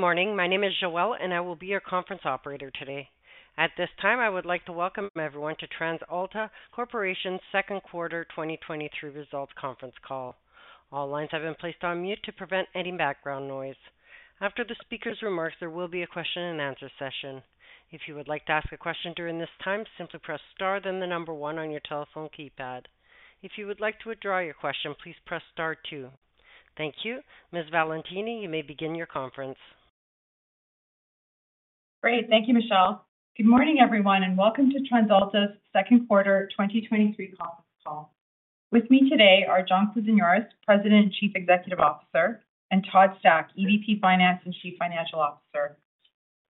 Good morning. My name is Joelle, I will be your conference operator today. At this time, I would like to welcome everyone to TransAlta Corporation's Second Quarter 2023 Results Conference Call. All lines have been placed on mute to prevent any background noise. After the speaker's remarks, there will be a question-and-answer session. If you would like to ask a question during this time, simply press star, the number one on your telephone keypad. If you would like to withdraw your question, please press star two. Thank you. Ms. Valentini, you may begin your conference. Great. Thank you, Joelle. Good morning, everyone, and welcome to TransAlta's Second Quarter 2023 Conference Call. With me today are John Kousinioris, President and Chief Executive Officer, and Todd Stack, EVP of Finance and Chief Financial Officer.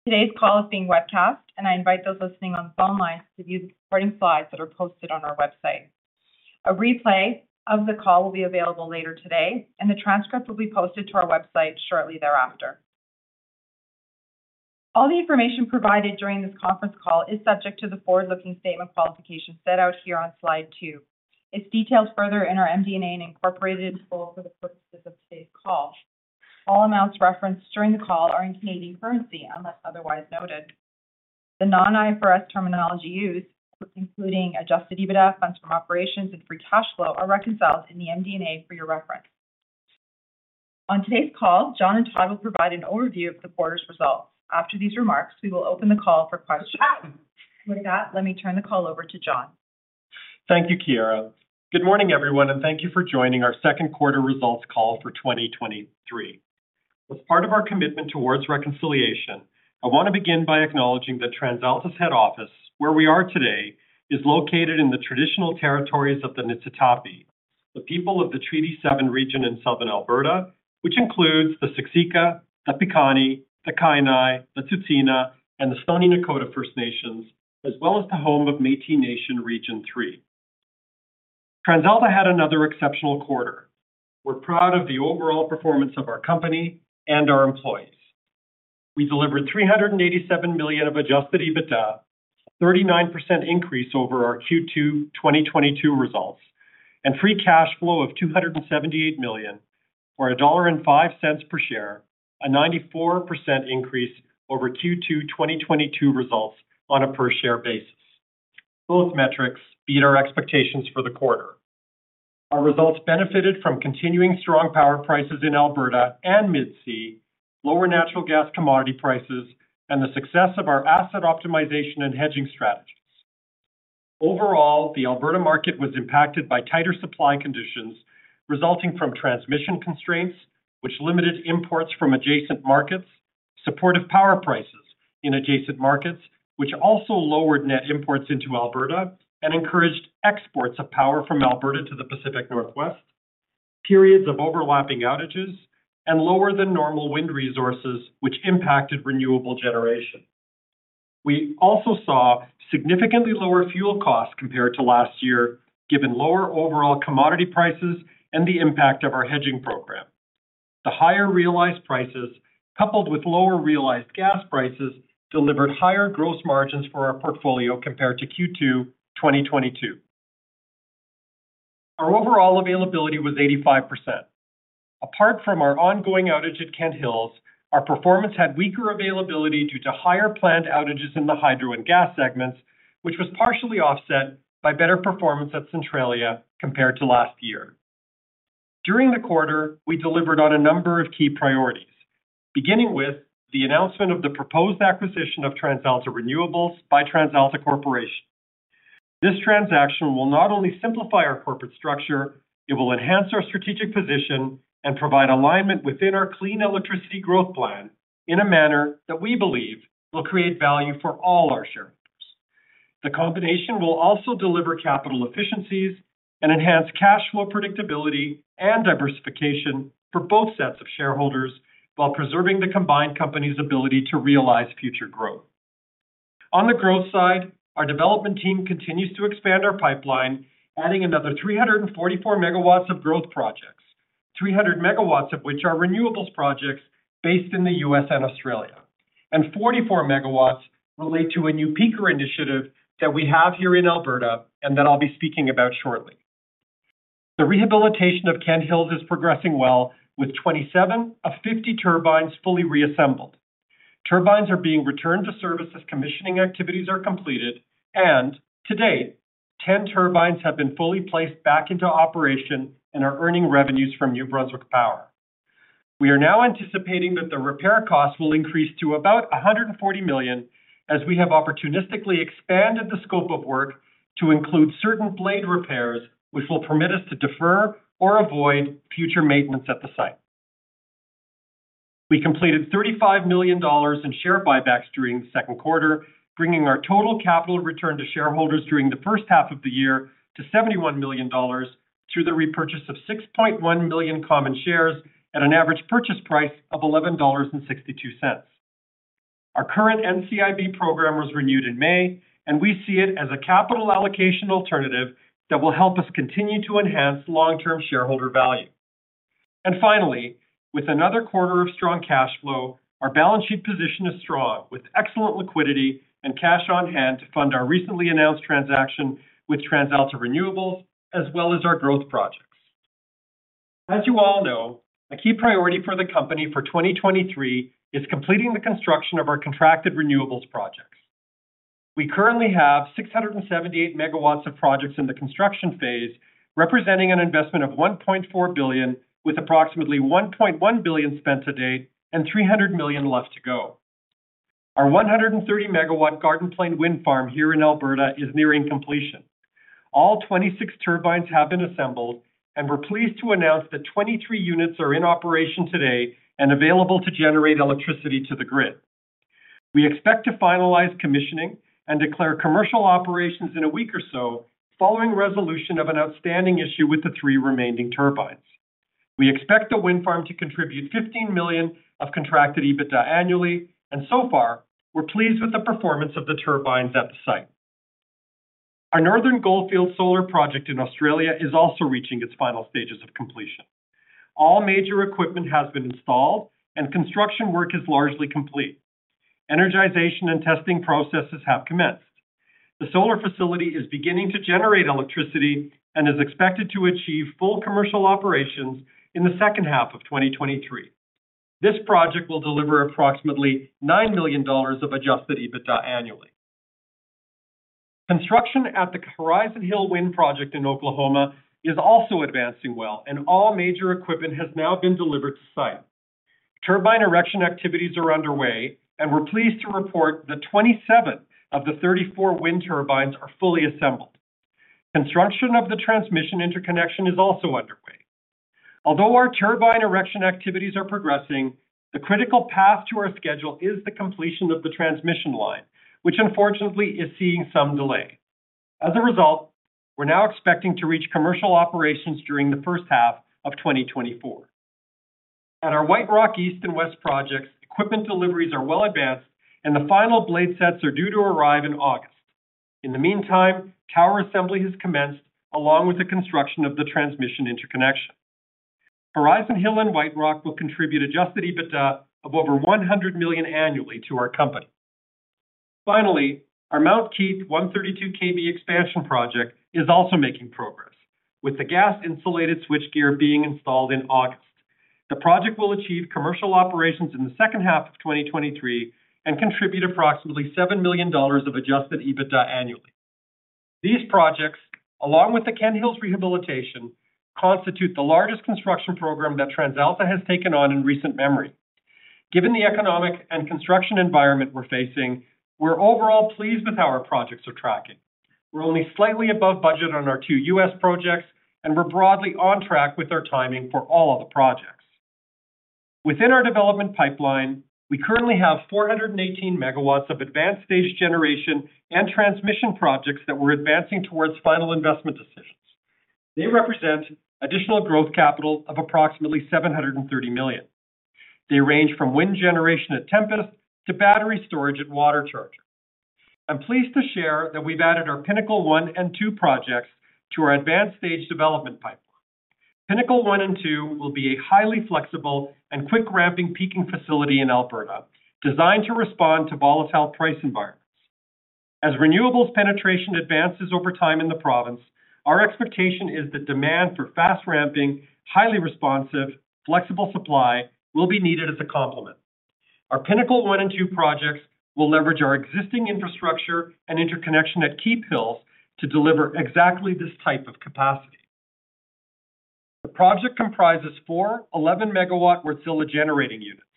Today's call is being webcast, and I invite those listening on phone lines to view the supporting slides that are posted on our website. A replay of the call will be available later today, and the transcript will be posted to our website shortly thereafter. All the information provided during this conference call is subject to the forward-looking statement qualification set out here on slide two. It's detailed further in our MD&A and incorporated in full for the purposes of today's call. All amounts referenced during the call are in Canadian currency, unless otherwise noted. The non-IFRS terminology used, including adjusted EBITDA, funds from operations, and free cash flow, are reconciled in the MD&A for your reference. On today's call, John and Todd will provide an overview of the quarter's results. After these remarks, we will open the call for questions. With that, let me turn the call over to John. Thank you, Chiara. Good morning, everyone, and thank you for joining our second quarter results call for 2023. As part of our commitment towards reconciliation, I want to begin by acknowledging that TransAlta's head office, where we are today, is located in the traditional territories of the Niitsitapi, the people of the Treaty 7 region in Southern Alberta, which includes the Siksika, the Pikani, the Kainai, the Tsuut'ina, and the Stoney Nakoda First Nations, as well as the home of Métis Nation Region 3. TransAlta had another exceptional quarter. We're proud of the overall performance of our company and our employees. We delivered 387 million of adjusted EBITDA, a 39% increase over our Q2 2022 results, and free cash flow of 278 million, or 1.05 dollar per share, a 94% increase over Q2 2022 results on a per-share basis. Both metrics beat our expectations for the quarter. Our results benefited from continuing strong power prices in Alberta and Mid-C, lower natural gas commodity prices, and the success of our asset optimization and hedging strategies. Overall, the Alberta market was impacted by tighter supply conditions resulting from transmission constraints, which limited imports from adjacent markets, supportive power prices in adjacent markets, which also lowered net imports into Alberta and encouraged exports of power from Alberta to the Pacific Northwest, periods of overlapping outages, and lower than normal wind resources, which impacted renewable generation. We also saw significantly lower fuel costs compared to last year, given lower overall commodity prices and the impact of our hedging program. The higher realized prices, coupled with lower realized gas prices, delivered higher gross margins for our portfolio compared to Q2 2022. Our overall availability was 85%. Apart from our ongoing outage at Kent Hills, our performance had weaker availability due to higher planned outages in the hydro and gas segments, which was partially offset by better performance at Centralia compared to last year. During the quarter, we delivered on a number of key priorities, beginning with the announcement of the proposed acquisition of TransAlta Renewables by TransAlta Corporation. This transaction will not only simplify our corporate structure, it will enhance our strategic position and provide alignment within our Clean Electricity Growth Plan in a manner that we believe will create value for all our shareholders. The combination will also deliver capital efficiencies and enhance cash flow predictability and diversification for both sets of shareholders, while preserving the combined company's ability to realize future growth. On the growth side, our development team continues to expand our pipeline, adding another 344 MW of growth projects, 300 MW of which are renewables projects based in the U.S. and Australia, and 44 MW relate to a new peaker initiative that we have here in Alberta and that I'll be speaking about shortly. The rehabilitation of Kent Hills is progressing well, with 27 of 50 turbines fully reassembled. Turbines are being returned to service as commissioning activities are completed, and to date, 10 turbines have been fully placed back into operation and are earning revenues from New Brunswick Power. We are now anticipating that the repair costs will increase to about 140 million, as we have opportunistically expanded the scope of work to include certain blade repairs, which will permit us to defer or avoid future maintenance at the site. We completed 35 million dollars in share buybacks during the second quarter, bringing our total capital return to shareholders during the first half of the year to 71 million dollars, through the repurchase of 6.1 million common shares at an average purchase price of 11.62 dollars. Our current NCIB program was renewed in May. We see it as a capital allocation alternative that will help us continue to enhance long-term shareholder value. Finally, with another quarter of strong cash flow, our balance sheet position is strong, with excellent liquidity and cash on hand to fund our recently announced transaction with TransAlta Renewables, as well as our growth projects. As you all know, a key priority for the company for 2023 is completing the construction of our contracted renewables projects. We currently have 678 MW of projects in the construction phase, representing an investment of 1.4 billion, with approximately 1.1 billion spent to date and 300 million left to go. Our 130 MW Garden Plain Wind Farm here in Alberta is nearing completion. All 26 turbines have been assembled, and we're pleased to announce that 23 units are in operation today and available to generate electricity to the grid. We expect to finalize commissioning and declare commercial operations in a week or so, following resolution of an outstanding issue with the three remaining turbines. We expect the wind farm to contribute 15 million of contracted EBITDA annually, so far, we're pleased with the performance of the turbines at the site. Our Northern Goldfields Solar Project in Australia is also reaching its final stages of completion. All major equipment has been installed, and construction work is largely complete. Energization and testing processes have commenced. The solar facility is beginning to generate electricity and is expected to achieve full commercial operations in the second half of 2023. This project will deliver approximately 9 million dollars of adjusted EBITDA annually. Construction at the Horizon Hill Wind Project in Oklahoma is also advancing well, and all major equipment has now been delivered to site. Turbine erection activities are underway, and we're pleased to report that 27 of the 34 wind turbines are fully assembled. Construction of the transmission interconnection is also underway. Although our turbine erection activities are progressing, the critical path to our schedule is the completion of the transmission line, which, unfortunately, is seeing some delay. As a result, we're now expecting to reach commercial operations during the first half of 2024. At our White Rock East and West projects, equipment deliveries are well advanced, and the final blade sets are due to arrive in August. In the meantime, tower assembly has commenced, along with the construction of the transmission interconnection. Horizon Hill and White Rock will contribute adjusted EBITDA of over 100 million annually to our company. Finally, our Mount Keith 132 kV expansion project is also making progress, with the gas-insulated switchgear being installed in August. The project will achieve commercial operations in the second half of 2023 and contribute approximately 7 million dollars of adjusted EBITDA annually. These projects, along with the Kent Hills rehabilitation, constitute the largest construction program that TransAlta has taken on in recent memory. Given the economic and construction environment we're facing, we're overall pleased with how our projects are tracking. We're only slightly above budget on our two U.S. projects, and we're broadly on track with our timing for all of the projects. Within our development pipeline, we currently have 418 MW of advanced-stage generation and transmission projects that we're advancing towards final investment decisions. They represent additional growth capital of approximately 730 million. They range from wind generation at Tempest to battery storage at WaterCharger. I'm pleased to share that we've added our Pinnacle 1 and 2 projects to our advanced stage development pipeline. Pinnacle 1 and 2 will be a highly flexible and quick-ramping peaking facility in Alberta, designed to respond to volatile price environments. As renewables penetration advances over time in the province, our expectation is that demand for fast-ramping, highly responsive, flexible supply will be needed as a complement. Our Pinnacle 1 and 2 projects will leverage our existing infrastructure and interconnection at Keephills to deliver exactly this type of capacity. The project comprises four 11 MW Wärtsilä generating units.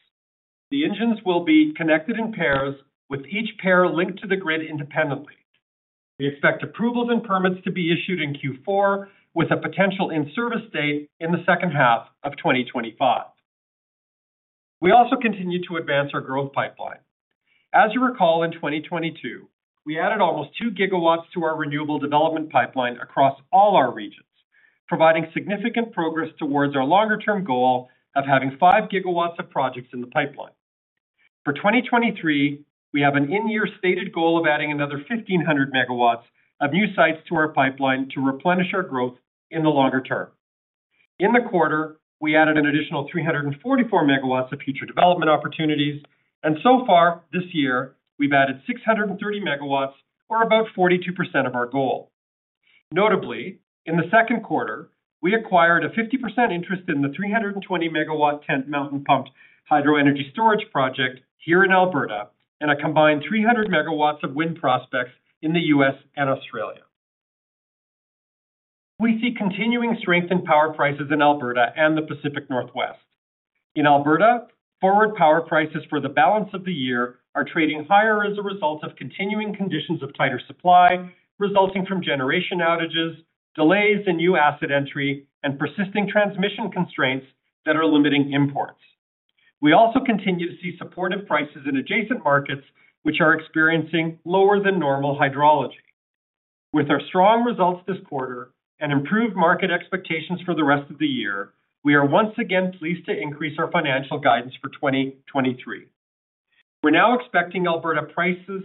The engines will be connected in pairs, with each pair linked to the grid independently. We expect approvals and permits to be issued in Q4, with a potential in-service date in the second half of 2025. We also continue to advance our growth pipeline. As you recall, in 2022, we added almost 2 GW to our renewable development pipeline across all our regions, providing significant progress towards our longer-term goal of having 5 GW of projects in the pipeline. For 2023, we have an in-year stated goal of adding another 1,500 MW of new sites to our pipeline to replenish our growth in the longer term. In the quarter, we added an additional 344 MW of future development opportunities. So far this year, we've added 630 MW, or about 42% of our goal. Notably, in the second quarter, we acquired a 50% interest in the 320 MW Tent Mountain Pumped Hydro Energy Storage Project here in Alberta, and a combined 300 MW of wind prospects in the U.S. and Australia. We see continuing strength in power prices in Alberta and the Pacific Northwest. In Alberta, forward power prices for the balance of the year are trading higher as a result of continuing conditions of tighter supply, resulting from generation outages, delays in new asset entry, and persisting transmission constraints that are limiting imports. We also continue to see supportive prices in adjacent markets, which are experiencing lower than normal hydrology. With our strong results this quarter and improved market expectations for the rest of the year, we are once again pleased to increase our financial guidance for 2023. We're now expecting Alberta prices,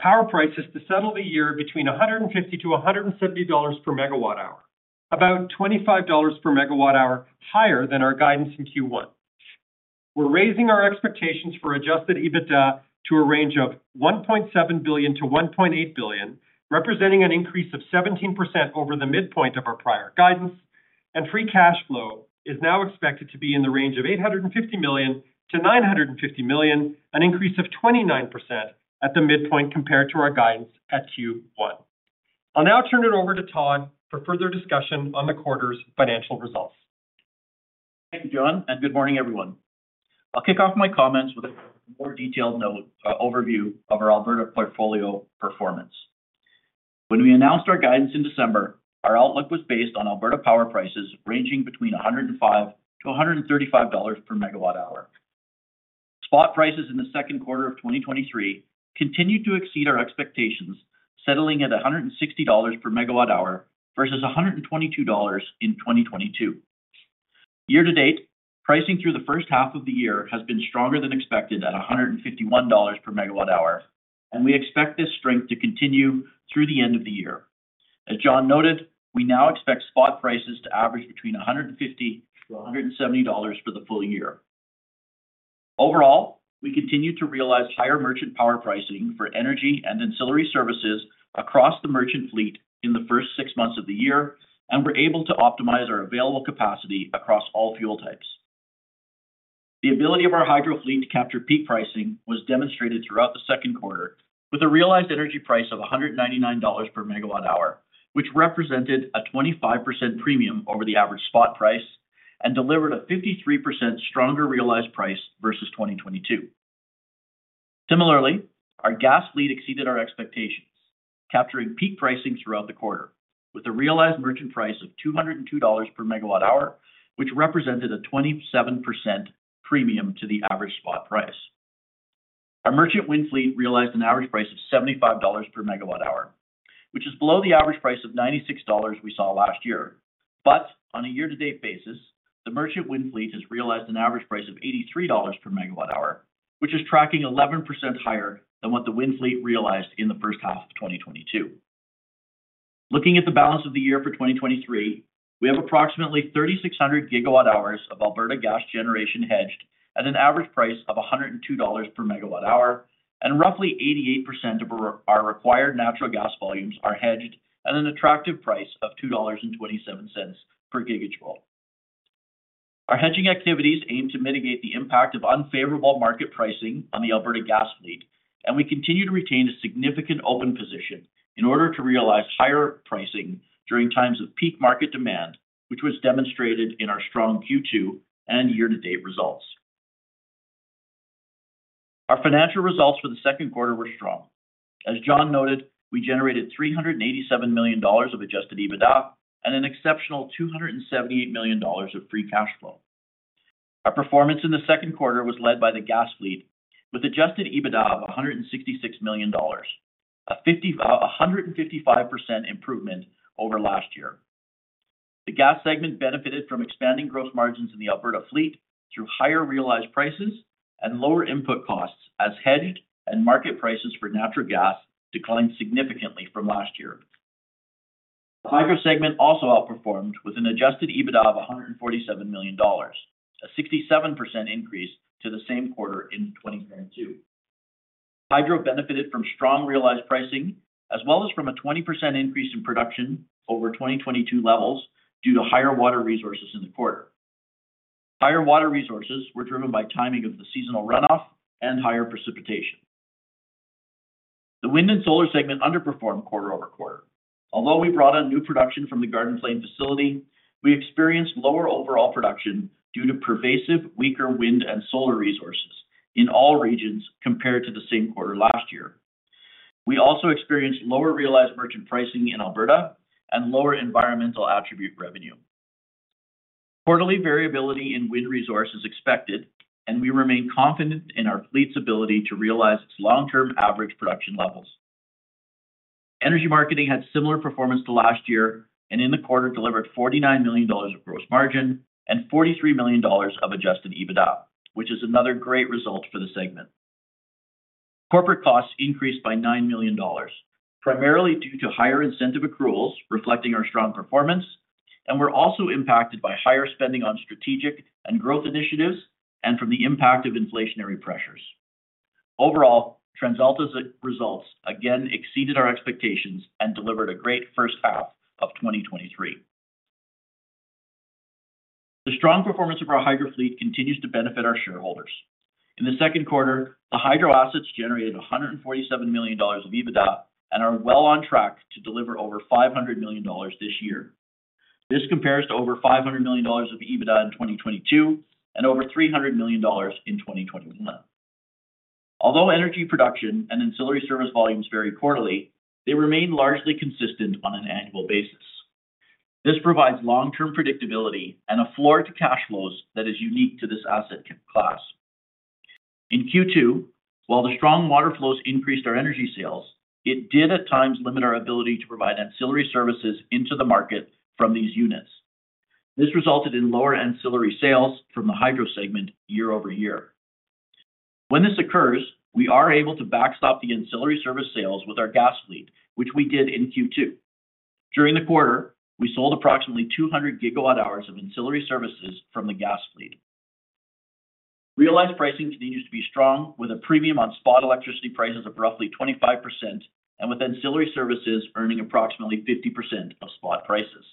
power prices, to settle the year between 150-170 dollars per MWh, about 25 dollars per MWh higher than our guidance in Q1. We're raising our expectations for adjusted EBITDA to a range of 1.7 billion-1.8 billion, representing an increase of 17% over the midpoint of our prior guidance. Free cash flow is now expected to be in the range of 850 million-950 million, an increase of 29% at the midpoint compared to our guidance at Q1. I'll now turn it over to Todd for further discussion on the quarter's financial results. Thank you, John. Good morning, everyone. I'll kick off my comments with a more detailed note, overview of our Alberta portfolio performance. When we announced our guidance in December, our outlook was based on Alberta power prices ranging between 105-135 dollars per MWh. Spot prices in the second quarter of 2023 continued to exceed our expectations, settling at 160 dollars per MWh versus 122 dollars in 2022. Year to date, pricing through the first half of the year has been stronger than expected at 151 dollars per MWh, and we expect this strength to continue through the end of the year. As John noted, we now expect spot prices to average between 150-170 dollars for the full year. Overall, we continue to realize higher merchant power pricing for energy and ancillary services across the merchant fleet in the first six months of the year, and we're able to optimize our available capacity across all fuel types. The ability of our hydro fleet to capture peak pricing was demonstrated throughout the second quarter with a realized energy price of 199 dollars per MWh, which represented a 25% premium over the average spot price and delivered a 53% stronger realized price versus 2022. Similarly, our gas fleet exceeded our expectations, capturing peak pricing throughout the quarter with a realized merchant price of 202 dollars per MWh, which represented a 27% premium to the average spot price. Our merchant wind fleet realized an average price of 75 dollars per MWh, which is below the average price of 96 dollars we saw last year. On a year-to-date basis, the merchant wind fleet has realized an average price of 83 dollars per MWh, which is tracking 11% higher than what the wind fleet realized in the first half of 2022. Looking at the balance of the year for 2023, we have approximately 3,600 GWh of Alberta gas generation hedged at an average price of 102 dollars per MWh, and roughly 88% of our, our required natural gas volumes are hedged at an attractive price of 2.27 dollars per gigajoule. Our hedging activities aim to mitigate the impact of unfavorable market pricing on the Alberta gas fleet, and we continue to retain a significant open position in order to realize higher pricing during times of peak market demand, which was demonstrated in our strong Q2 and year-to-date results. Our financial results for the second quarter were strong. As John noted, we generated 387 million dollars of adjusted EBITDA and an exceptional 278 million dollars of free cash flow. Our performance in the second quarter was led by the gas fleet, with adjusted EBITDA of 166 million dollars, a 155% improvement over last year. The gas segment benefited from expanding gross margins in the Alberta fleet through higher realized prices and lower input costs, as hedged and market prices for natural gas declined significantly from last year. The hydro segment also outperformed, with an adjusted EBITDA of 147 million dollars, a 67% increase to the same quarter in 2022. Hydro benefited from strong realized pricing, as well as from a 20% increase in production over 2022 levels due to higher water resources in the quarter. Higher water resources were driven by timing of the seasonal runoff and higher precipitation. The wind and solar segment underperformed quarter-over-quarter. Although we brought on new production from the Garden Plain facility, we experienced lower overall production due to pervasive, weaker wind and solar resources in all regions compared to the same quarter last year. We also experienced lower realized merchant pricing in Alberta and lower environmental attribute revenue. Quarterly variability in wind resource is expected, and we remain confident in our fleet's ability to realize its long-term average production levels. Energy marketing had similar performance to last year, in the quarter, delivered 49 million dollars of gross margin and 43 million dollars of adjusted EBITDA, which is another great result for the segment. Corporate costs increased by 9 million dollars, primarily due to higher incentive accruals reflecting our strong performance, and were also impacted by higher spending on strategic and growth initiatives and from the impact of inflationary pressures. Overall, TransAlta's results again exceeded our expectations and delivered a great first half of 2023. The strong performance of our hydro fleet continues to benefit our shareholders. In the second quarter, the hydro assets generated 147 million dollars of EBITDA and are well on track to deliver over 500 million dollars this year. This compares to over 500 million dollars of EBITDA in 2022 and over 300 million dollars in 2021. Although energy production and ancillary service volumes vary quarterly, they remain largely consistent on an annual basis. This provides long-term predictability and a floor to cash flows that is unique to this asset class. In Q2, while the strong water flows increased our energy sales, it did at times limit our ability to provide ancillary services into the market from these units. This resulted in lower ancillary sales from the hydro segment year-over-year. When this occurs, we are able to backstop the ancillary service sales with our gas fleet, which we did in Q2. During the quarter, we sold approximately 200 gigawatt hours of ancillary services from the gas fleet. Realized pricing continues to be strong, with a premium on spot electricity prices of roughly 25%, and with ancillary services earning approximately 50% of spot prices.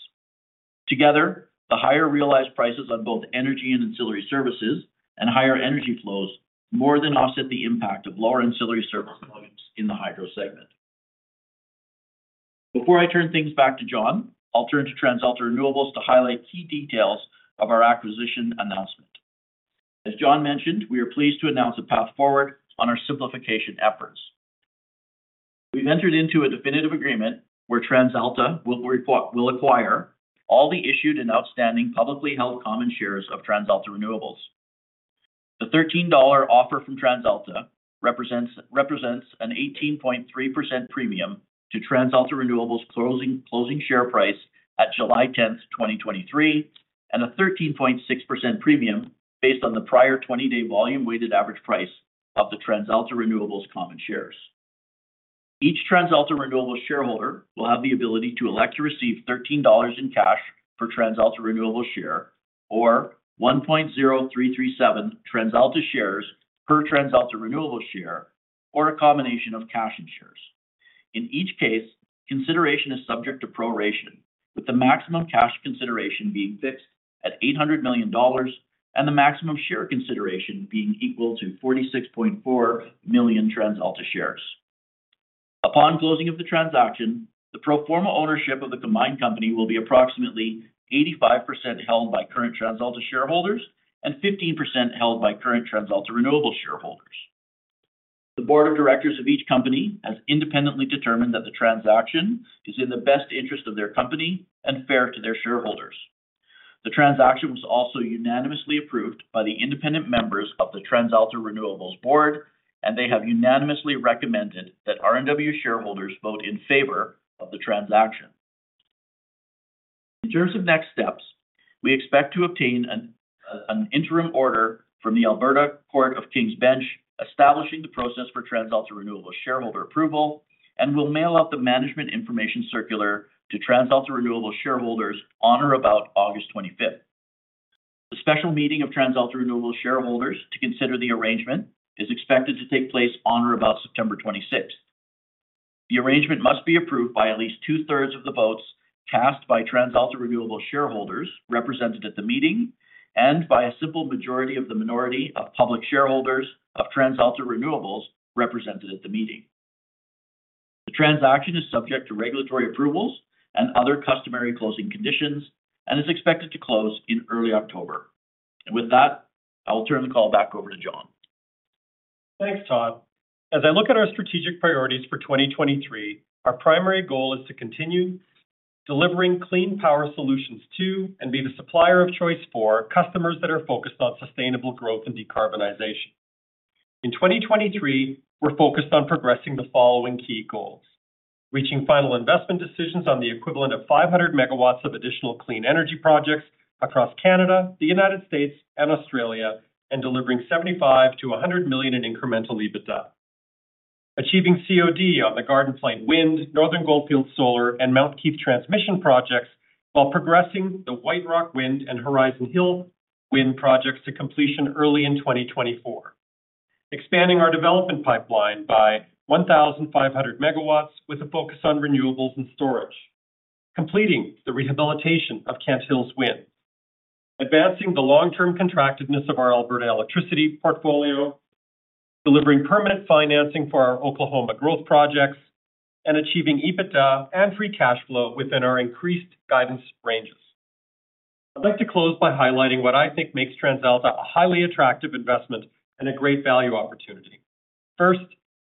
Together, the higher realized prices on both energy and ancillary services and higher energy flows more than offset the impact of lower ancillary service volumes in the hydro segment. Before I turn things back to John, I'll turn to TransAlta Renewables to highlight key details of our acquisition announcement. As John mentioned, we are pleased to announce a path forward on our simplification efforts. We've entered into a definitive agreement where TransAlta will acquire all the issued and outstanding publicly held common shares of TransAlta Renewables. The 13 dollar offer from TransAlta represents an 18.3% premium to TransAlta Renewables closing share price at July 10th, 2023, and a 13.6% premium based on the prior 20-day volume weighted average price of the TransAlta Renewables common shares. Each TransAlta Renewables shareholder will have the ability to elect to receive 13 dollars in cash per TransAlta Renewables share or 1.0337 TransAlta shares per TransAlta Renewables share, or a combination of cash and shares. In each case, consideration is subject to proration, with the maximum cash consideration being fixed at 800 million dollars and the maximum share consideration being equal to 46.4 million TransAlta shares. Upon closing of the transaction, the pro forma ownership of the combined company will be approximately 85% held by current TransAlta shareholders and 15% held by current TransAlta Renewables shareholders. The board of directors of each company has independently determined that the transaction is in the best interest of their company and fair to their shareholders. The transaction was also unanimously approved by the independent members of the TransAlta Renewables board, and they have unanimously recommended that RNW shareholders vote in favor of the transaction. In terms of next steps, we expect to obtain an interim order from the Alberta Court of King's Bench, establishing the process for TransAlta Renewables shareholder approval, and will mail out the management information circular to TransAlta Renewables shareholders on or about August 25th. The special meeting of TransAlta Renewables shareholders to consider the arrangement is expected to take place on or about September 26th. The arrangement must be approved by at least two-thirds of the votes cast by TransAlta Renewables shareholders represented at the meeting and by a simple majority of the minority of public shareholders of TransAlta Renewables represented at the meeting. The transaction is subject to regulatory approvals and other customary closing conditions and is expected to close in early October. With that, I'll turn the call back over to John. Thanks, Todd. As I look at our strategic priorities for 2023, our primary goal is to continue delivering clean power solutions to, and be the supplier of choice for, customers that are focused on sustainable growth and decarbonization. In 2023, we're focused on progressing the following key goals: reaching final investment decisions on the equivalent of 500 MW of additional clean energy projects across Canada, the United States, and Australia, and delivering 75 million-100 million in incremental EBITDA. Achieving COD on the Garden Plain Wind, Northern Goldfield Solar, and Mount Keith transmission projects, while progressing the White Rock Wind and Horizon Hill wind projects to completion early in 2024. Expanding our development pipeline by 1,500 MW, with a focus on renewables and storage. Completing the rehabilitation of Kent Hills Wind. Advancing the long-term contractiveness of our Alberta electricity portfolio. Delivering permanent financing for our Oklahoma growth projects, achieving EBITDA and free cash flow within our increased guidance ranges. I'd like to close by highlighting what I think makes TransAlta a highly attractive investment and a great value opportunity. First,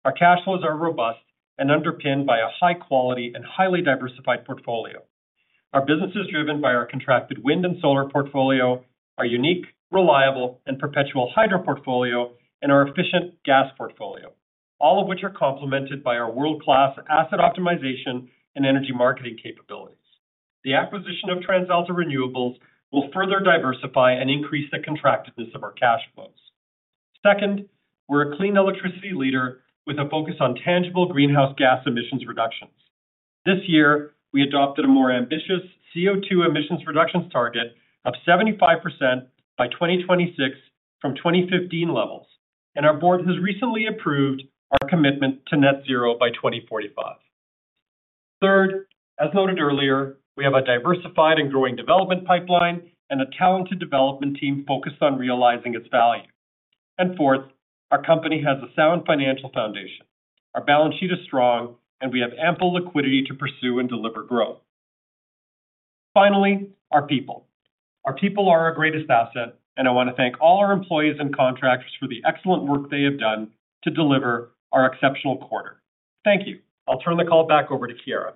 our cash flows are robust and underpinned by a high quality and highly diversified portfolio. Our business is driven by our contracted wind and solar portfolio, our unique, reliable, and perpetual hydro portfolio, and our efficient gas portfolio, all of which are complemented by our world-class asset optimization and energy marketing capabilities. The acquisition of TransAlta Renewables will further diversify and increase the contractiveness of our cash flows. Second, we're a clean electricity leader with a focus on tangible greenhouse gas emissions reductions. This year, we adopted a more ambitious CO2 emissions reductions target of 75% by 2026 from 2015 levels. Our board has recently approved our commitment to net zero by 2045. Third, as noted earlier, we have a diversified and growing development pipeline and a talented development team focused on realizing its value. Fourth, our company has a sound financial foundation. Our balance sheet is strong, and we have ample liquidity to pursue and deliver growth. Finally, our people. Our people are our greatest asset, and I want to thank all our employees and contractors for the excellent work they have done to deliver our exceptional quarter. Thank you. I'll turn the call back over to Chiara.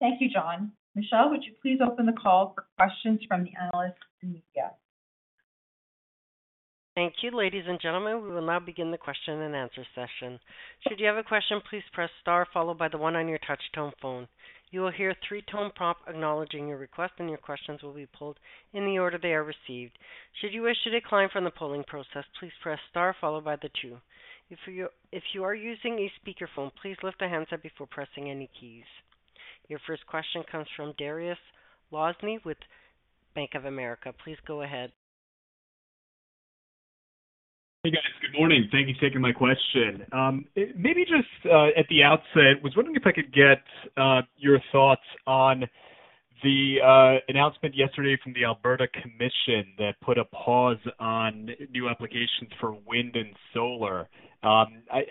Thank you, John. Joelle, would you please open the call for questions from the analysts and media? Thank you. Ladies and gentlemen, we will now begin the question-and-answer session. Should you have a question, please press star followed by the one on your touch-tone phone. You will hear a three-tone prompt acknowledging your request, and your questions will be pulled in the order they are received. Should you wish to decline from the polling process, please press star followed by the two. If you are using a speakerphone, please lift the handset before pressing any keys. Your first question comes from Dariusz Lozny with Bank of America. Please go ahead. Hey, guys. Good morning. Thank you for taking my question. Maybe just at the outset, I was wondering if I could get your thoughts on the announcement yesterday from the Alberta Commission that put a pause on new applications for wind and solar. I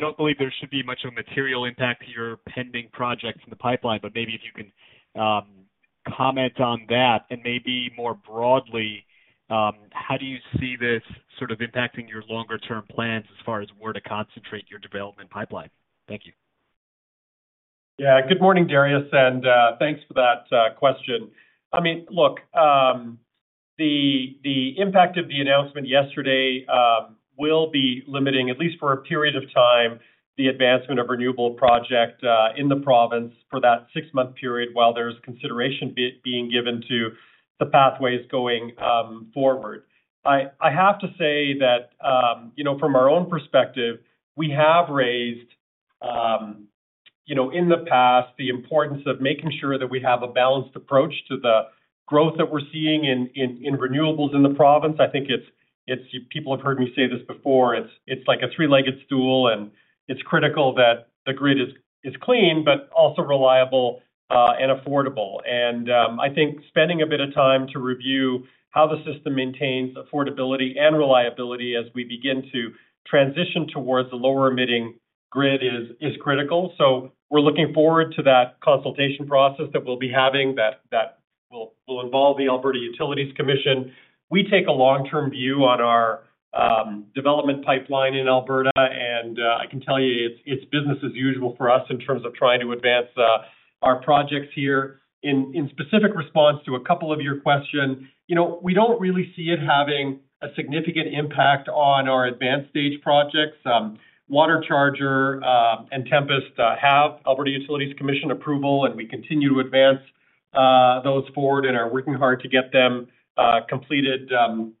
don't believe there should be much of a material impact to your pending projects in the pipeline, but maybe if you can comment on that, and maybe more broadly, how do you see this sort of impacting your longer-term plans as far as where to concentrate your development pipeline? Thank you. Yeah. Good morning, Dariusz, and thanks for that question. I mean, look, the impact of the announcement yesterday will be limiting, at least for a period of time, the advancement of renewable project in the province for that six-month period, while there's consideration being given to the pathways going forward. I have to say that, you know, from our own perspective, we have raised, you know, in the past, the importance of making sure that we have a balanced approach to the growth that we're seeing in renewables in the province. I think it's. People have heard me say this before, it's like a three-legged stool, and it's critical that the grid is clean, but also reliable and affordable. I think spending a bit of time to review how the system maintains affordability and reliability as we begin to transition towards the lower-emitting grid is critical. We're looking forward to that consultation process that we'll be having, that, that will, will involve the Alberta Utilities Commission. We take a long-term view on our development pipeline in Alberta, and I can tell you, it's, it's business as usual for us in terms of trying to advance our projects here. In, in specific response to a couple of your question, you know, we don't really see it having a significant impact on our advanced stage projects. WaterCharger and Tempest have Alberta Utilities Commission approval, and we continue to advance those forward and are working hard to get them completed and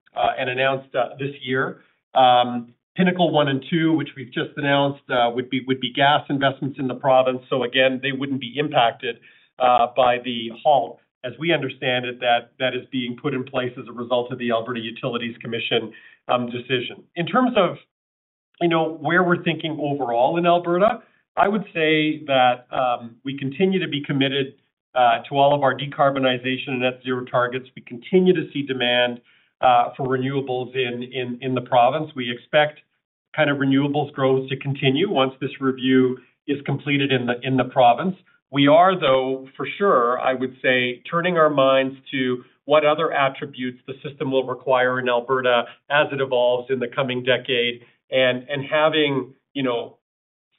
announced this year. Pinnacle 1 and 2, which we've just announced, would be, would be gas investments in the province. Again, they wouldn't be impacted by the halt. As we understand it, that, that is being put in place as a result of the Alberta Utilities Commission decision. In terms of, you know, where we're thinking overall in Alberta, I would say that we continue to be committed to all of our decarbonization and net zero targets. We continue to see demand for renewables in, in, in the province. We expect renewables growth to continue once this review is completed in the, in the province. We are, though, for sure, I would say, turning our minds to what other attributes the system will require in Alberta as it evolves in the coming decade. Having, you know,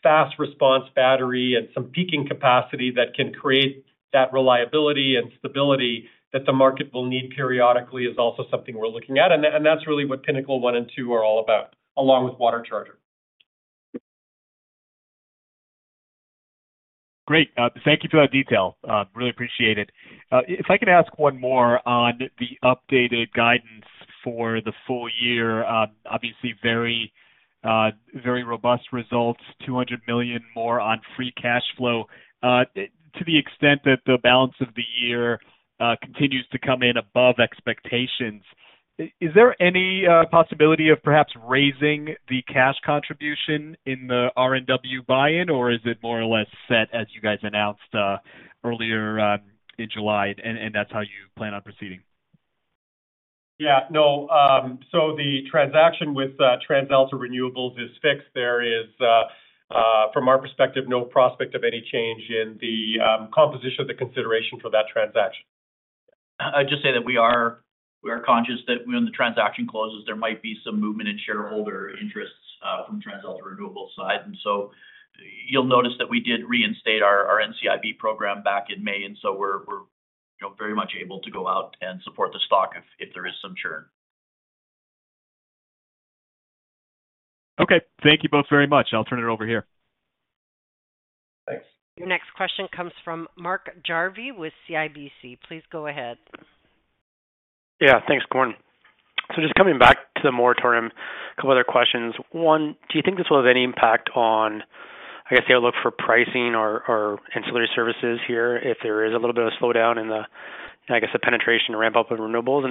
fast-response battery and some peaking capacity that can create that reliability and stability that the market will need periodically is also something we're looking at, and that's really what Pinnacle 1 and 2 are all about, along with WaterCharger. Great. Thank you for that detail. Really appreciate it. If I could ask one more on the updated guidance for the full year. Obviously very, very robust results, 200 million more on free cash flow. To the extent that the balance of the year continues to come in above expectations, is there any possibility of perhaps raising the cash contribution in the RNW buy-in, or is it more or less set as you guys announced earlier in July, and that's how you plan on proceeding? Yeah. No, the transaction with TransAlta Renewables is fixed. There is, from our perspective, no prospect of any change in the composition of the consideration for that transaction. I'd just say that we are, we are conscious that when the transaction closes, there might be some movement in shareholder interests, from TransAlta Renewables side. You'll notice that we did reinstate our, our NCIB program back in May, we're, you know, very much able to go out and support the stock if, if there is some churn. Okay. Thank you both very much. I'll turn it over here. Thanks. Your next question comes from Mark Jarvi with CIBC. Please go ahead. Yeah, thanks, operator. Just coming back to the moratorium, a couple other questions. One, do you think this will have any impact on, I guess, your look for pricing or, or ancillary services here, if there is a little bit of a slowdown in the, I guess, the penetration to ramp up in renewables?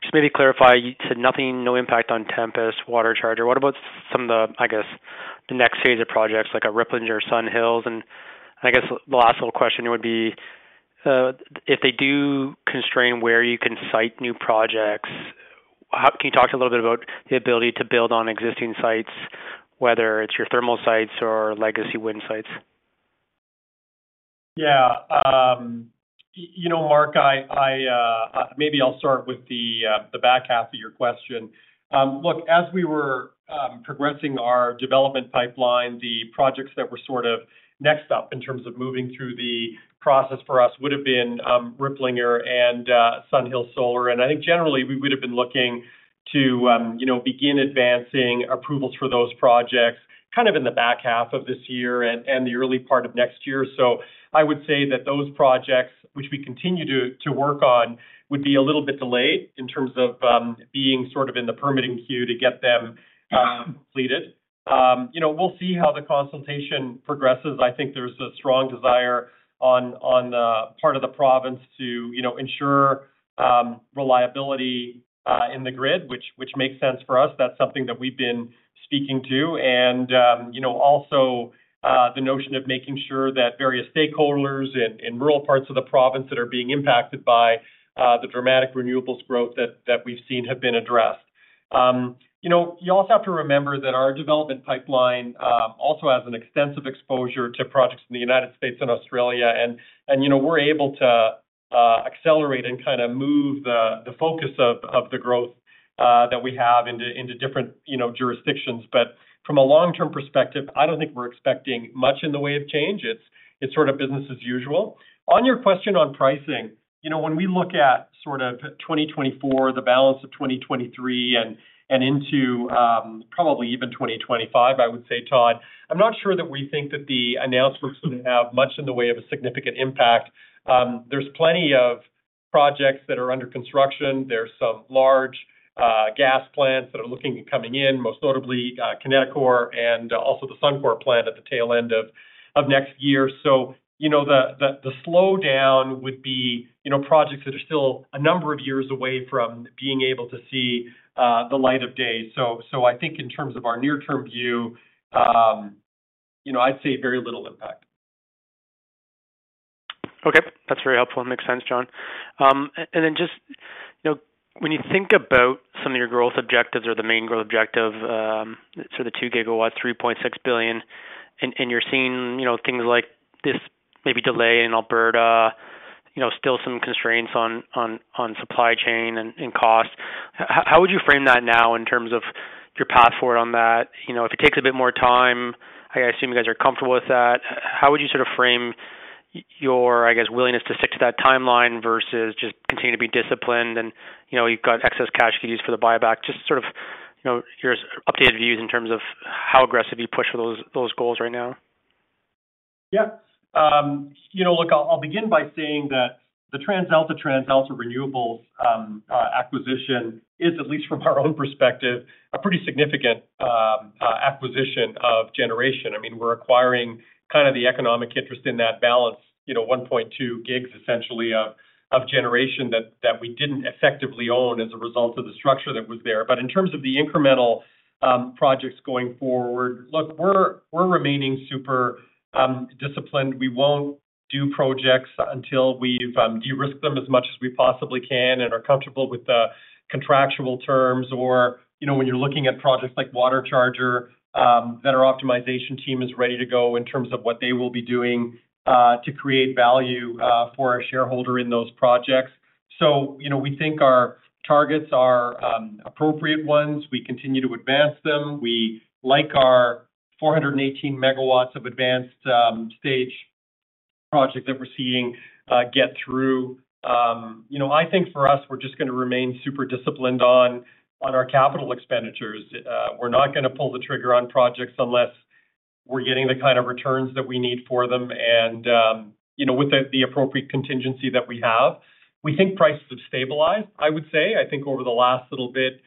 Just maybe clarify, you said nothing, no impact on Tempest, WaterCharger. What about some of the, I guess, the next phase of projects like a Riplinger or SunHills? I guess the last little question would be, if they do constrain where you can site new projects, can you talk a little bit about the ability to build on existing sites, whether it's your thermal sites or legacy wind sites? Yeah, you know, Mark, I, maybe I'll start with the back half of your question. Look, as we were progressing our development pipeline, the projects that were sort of next up in terms of moving through the process for us would have been Riplinger and SunHills Solar. I think generally we would have been looking to, you know, begin advancing approvals for those projects, kind of in the back half of this year and the early part of next year. I would say that those projects, which we continue to work on, would be a little bit delayed in terms of being sort of in the permitting queue to get them completed. You know, we'll see how the consultation progresses. I think there's a strong desire on the part of the province to, you know, ensure reliability in the grid, which makes sense for us. That's something that we've been speaking to. You know, also, the notion of making sure that various stakeholders in rural parts of the province that are being impacted by the dramatic renewables growth that, that we've seen, have been addressed. You know, you also have to remember that our development pipeline also has an extensive exposure to projects in the United States and Australia. And, you know, we're able to accelerate and kinda move the focus of the growth that we have into, into different, you know, jurisdictions. From a long-term perspective, I don't think we're expecting much in the way of change. It's sort of business as usual. On your question on pricing, you know, when we look at sort of 2024, the balance of 2023 and, and into, probably even 2025, I would say, Todd, I'm not sure that we think that the announcements are gonna have much in the way of a significant impact. There's plenty of projects that are under construction. There's some large, gas plants that are looking at coming in, most notably, Kineticor and also the Suncor plant at the tail end of, of next year. You know, the slowdown would be, you know, projects that are still a number of years away from being able to see, the light of day. I think in terms of our near-term view, you know, I'd say very little impact. Okay, that's very helpful. Makes sense, John. Just, you know, when you think about some of your growth objectives or the main growth objective, so the 2 GW, 3.6 billion, and you're seeing, you know, things like this maybe delay in Alberta, you know, still some constraints on supply chain and cost. How would you frame that now in terms of your path forward on that? You know, if it takes a bit more time, I assume you guys are comfortable with that. How would you sort of frame your, I guess, willingness to stick to that timeline versus just continue to be disciplined and, you know, you've got excess cash to use for the buyback? Just sort of, you know, your updated views in terms of how aggressive you push for those goals right now. Yeah. You know, look, I'll begin by saying that the TransAlta, TransAlta Renewables acquisition is, at least from our own perspective, a pretty significant acquisition of generation. I mean, we're acquiring kinda the economic interest in that balance, you know, 1.2 GW, essentially, of, of generation that, that we didn't effectively own as a result of the structure that was there. In terms of the incremental projects going forward, look, we're, we're remaining super disciplined. We won't do projects until we've de-risked them as much as we possibly can and are comfortable with the contractual terms, or, you know, when you're looking at projects like WaterCharger, that our optimization team is ready to go in terms of what they will be doing to create value for our shareholder in those projects. You know, we think our targets are appropriate ones. We continue to advance them. We like our 418 MW of advanced stage project that we're seeing get through. You know, I think for us, we're just gonna remain super disciplined on, on our capital expenditures. We're not gonna pull the trigger on projects unless we're getting the kind of returns that we need for them, and, you know, with the, the appropriate contingency that we have. We think prices have stabilized, I would say. I think over the last little bit,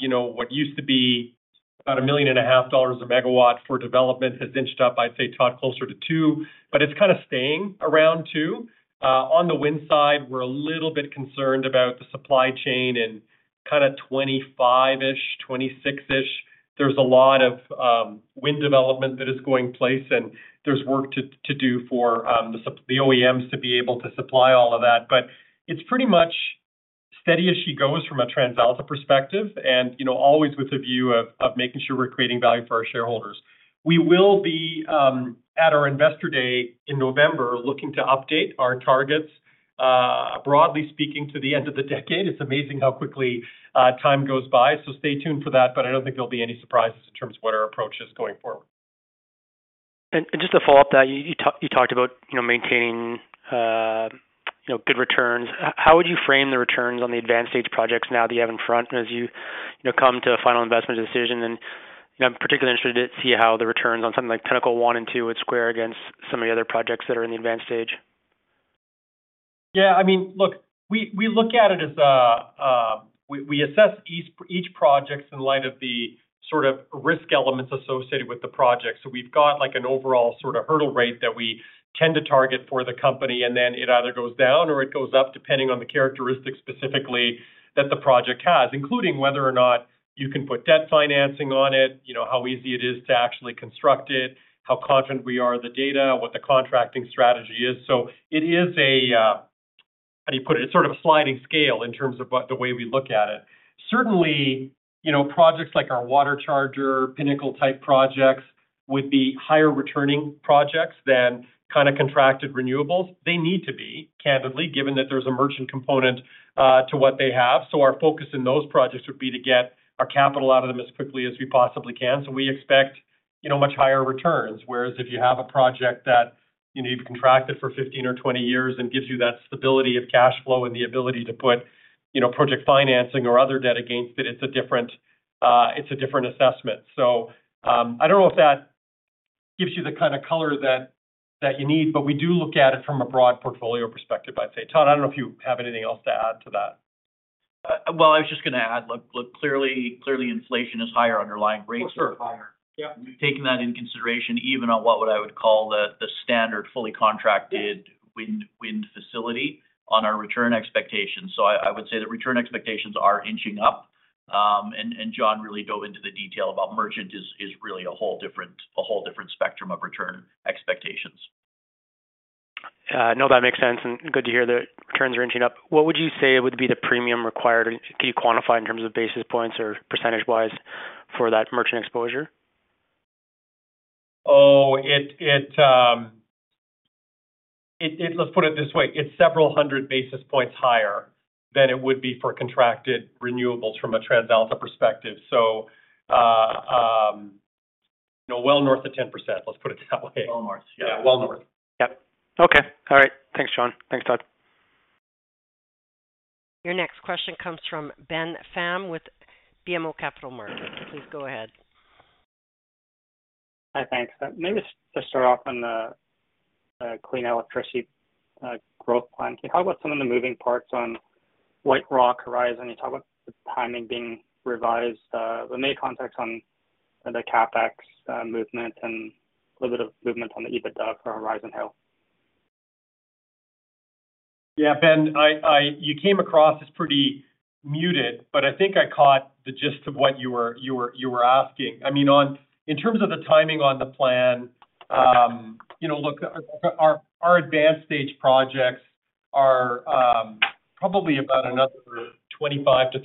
you know, what used to be about 1.5 million a megawatt for development has inched up, I'd say, Todd, closer to 2 million, but it's kinda staying around 2 million. On the wind side, we're a little bit concerned about the supply chain in kinda 2025-ish, 2026-ish. There's a lot of wind development that is going in place, and there's work to do for the sup- the OEMs to be able to supply all of that. It's pretty much steady as she goes from a TransAlta perspective, and, you know, always with a view of making sure we're creating value for our shareholders. We will be at our Investor Day in November, looking to update our targets, broadly speaking, to the end of the decade. It's amazing how quickly time goes by, so stay tuned for that, but I don't think there'll be any surprises in terms of what our approach is going forward. Just to follow up that, you talked, you talked about, you know, maintaining, you know, good returns. How would you frame the returns on the advanced stage projects now that you have in front as you, you know, come to a final investment decision? You know, I'm particularly interested to see how the returns on something like Pinnacle I and II would square against some of the other projects that are in the advanced stage. Yeah, I mean, look, we look at it as we, we assess each, each projects in light of the sort of risk elements associated with the project. We've got, like, an overall sort of hurdle rate that we tend to target for the company, and then it either goes down or it goes up, depending on the characteristics specifically that the project has, including whether or not you can put debt financing on it, you know, how easy it is to actually construct it, how confident we are in the data, what the contracting strategy is. It is a, how do you put it? It's sort of a sliding scale in terms of the way we look at it. Certainly, you know, projects like our WaterCharger, Pinnacle-type projects, would be higher-returning projects than kind of contracted renewables. They need to be, candidly, given that there's a merchant component to what they have. Our focus in those projects would be to get our capital out of them as quickly as we possibly can. We expect you know, much higher returns. Whereas if you have a project that you need to contract it for 15 or 20 years and gives you that stability of cash flow and the ability to put, you know, project financing or other debt against it, it's a different, it's a different assessment. I don't know if that gives you the kind of color that, that you need, but we do look at it from a broad portfolio perspective, I'd say. Todd, I don't know if you have anything else to add to that. Well, I was just gonna add, look, clearly inflation is higher, underlying rates are higher. Yeah. Taking that into consideration, even on what would I would call the, the standard fully contracted wind facility on our return expectations. I would say the return expectations are inching up. John really dove into the detail about merchant is, is really a whole different, a whole different spectrum of return expectations. No, that makes sense, and good to hear the returns are inching up. What would you say would be the premium required? Can you quantify in terms of basis points or percentage-wise for that merchant exposure? Let's put it this way, it's several hundred basis points higher than it would be for contracted renewables from a TransAlta perspective. You know, well north of 10%, let's put it that way. Well north, yeah. Yeah, well north. Yep. Okay. All right. Thanks, John. Thanks, Todd. Your next question comes from Ben Pham with BMO Capital Markets. Please go ahead. Hi, thanks. Maybe just to start off on the Clean Electricity Growth Plan. Can you talk about some of the moving parts on White Rock Horizon? You talk about the timing being revised. Any context on the CapEx movement and a little bit of movement on the EBITDA for Horizon Hill? Yeah, Ben, You came across as pretty muted, but I think I caught the gist of what you were, you were, you were asking. I mean, in terms of the timing on the plan, you know, look, our advanced stage projects are probably about another 25%-30%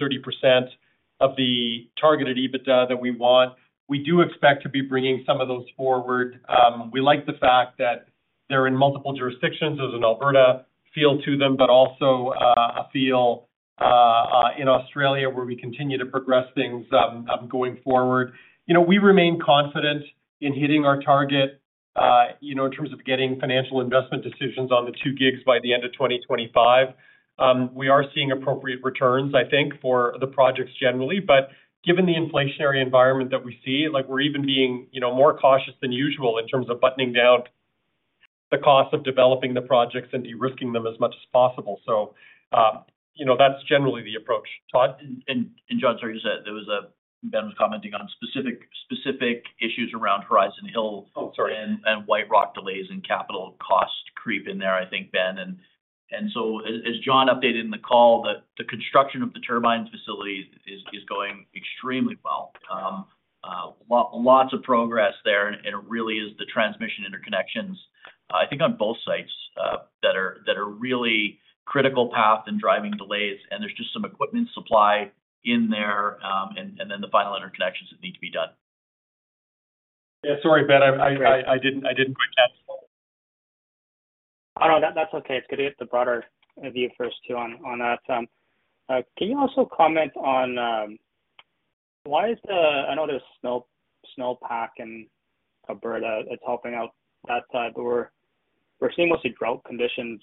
of the targeted EBITDA that we want. We do expect to be bringing some of those forward. We like the fact that they're in multiple jurisdictions. There's an Alberta feel to them, but also a feel in Australia, where we continue to progress things going forward. You know, we remain confident in hitting our target, you know, in terms of getting financial investment decisions on the 2 GW by the end of 2025. We are seeing appropriate returns, I think, for the projects generally. Given the inflationary environment that we see, like, we're even being, you know, more cautious than usual in terms of buttoning down the cost of developing the projects and de-risking them as much as possible. You know, that's generally the approach. Todd? John, sorry, you said there was Ben was commenting on specific, specific issues around Horizon Hill... Oh, sorry. ...and White Rock delays and capital cost creep in there, I think, Ben. So as John updated in the call, the construction of the turbines facility is going extremely well. lots of progress there, and it really is the transmission interconnections, I think on both sites that are really critical path and driving delays, and there's just some equipment supply in there, and then the final interconnections that need to be done. Yeah, sorry, Ben, I didn't, I didn't quite catch that. Oh, no, that's okay. It's good to get the broader view first, too, on, on that. Can you also comment on, why is the-- I know there's snow, snowpack in Alberta, it's helping out that side, but we're, we're seeing mostly drought conditions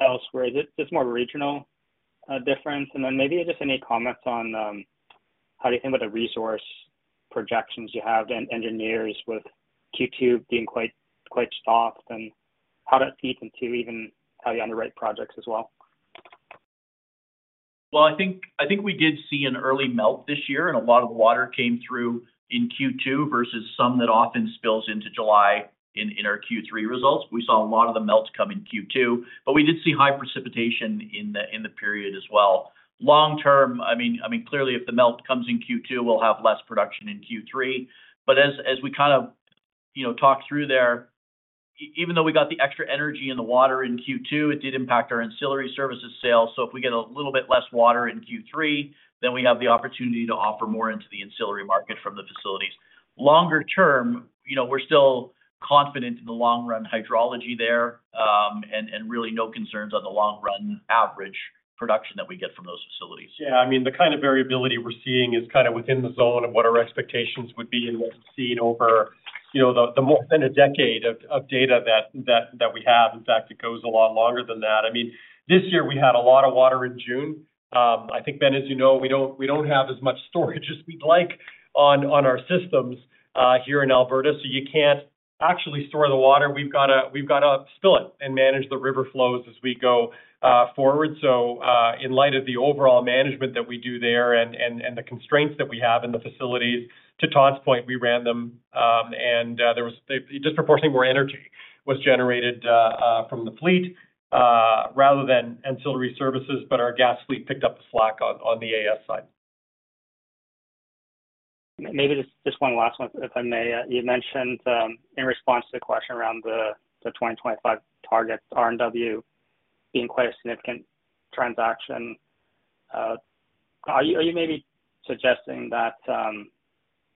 elsewhere. Is it just more regional difference? Then maybe just any comments on, how do you think about the resource projections you have and engineers with Q2 being quite, quite stocked, and how does feed into even how you underwrite projects as well? Well, I think we did see an early melt this year, and a lot of the water came through in Q2 versus some that often spills into July in our Q3 results. We saw a lot of the melt come in Q2, but we did see high precipitation in the period as well. Long term, I mean, I mean, clearly, if the melt comes in Q2, we'll have less production in Q3. As, as we kind of, you know, talk through there, even though we got the extra energy in the water in Q2, it did impact our ancillary services sales. If we get a little bit less water in Q3, then we have the opportunity to offer more into the ancillary market from the facilities. Longer term, you know, we're still confident in the long run hydrology there, and really no concerns on the long-run average production that we get from those facilities. Yeah, I mean, the kind of variability we're seeing is kind of within the zone of what our expectations would be and what we've seen over, you know, the more than a decade of data that we have. In fact, it goes a lot longer than that. I mean, this year we had a lot of water in June. I think, Ben, as you know, we don't have as much storage as we'd like on our systems, here in Alberta, so you can't actually store the water. We've got to spill it and manage the river flows as we go, forward. In light of the overall management that we do there and the constraints that we have in the facilities, to Todd's point, we ran them, and there was a disproportionately more energy was generated from the fleet, rather than ancillary services, but our gas fleet picked up the slack on the AS side. Maybe just, just one last one, if I may. You mentioned in response to the question around the 2025 targets, RNW being quite a significant transaction. Are you maybe suggesting that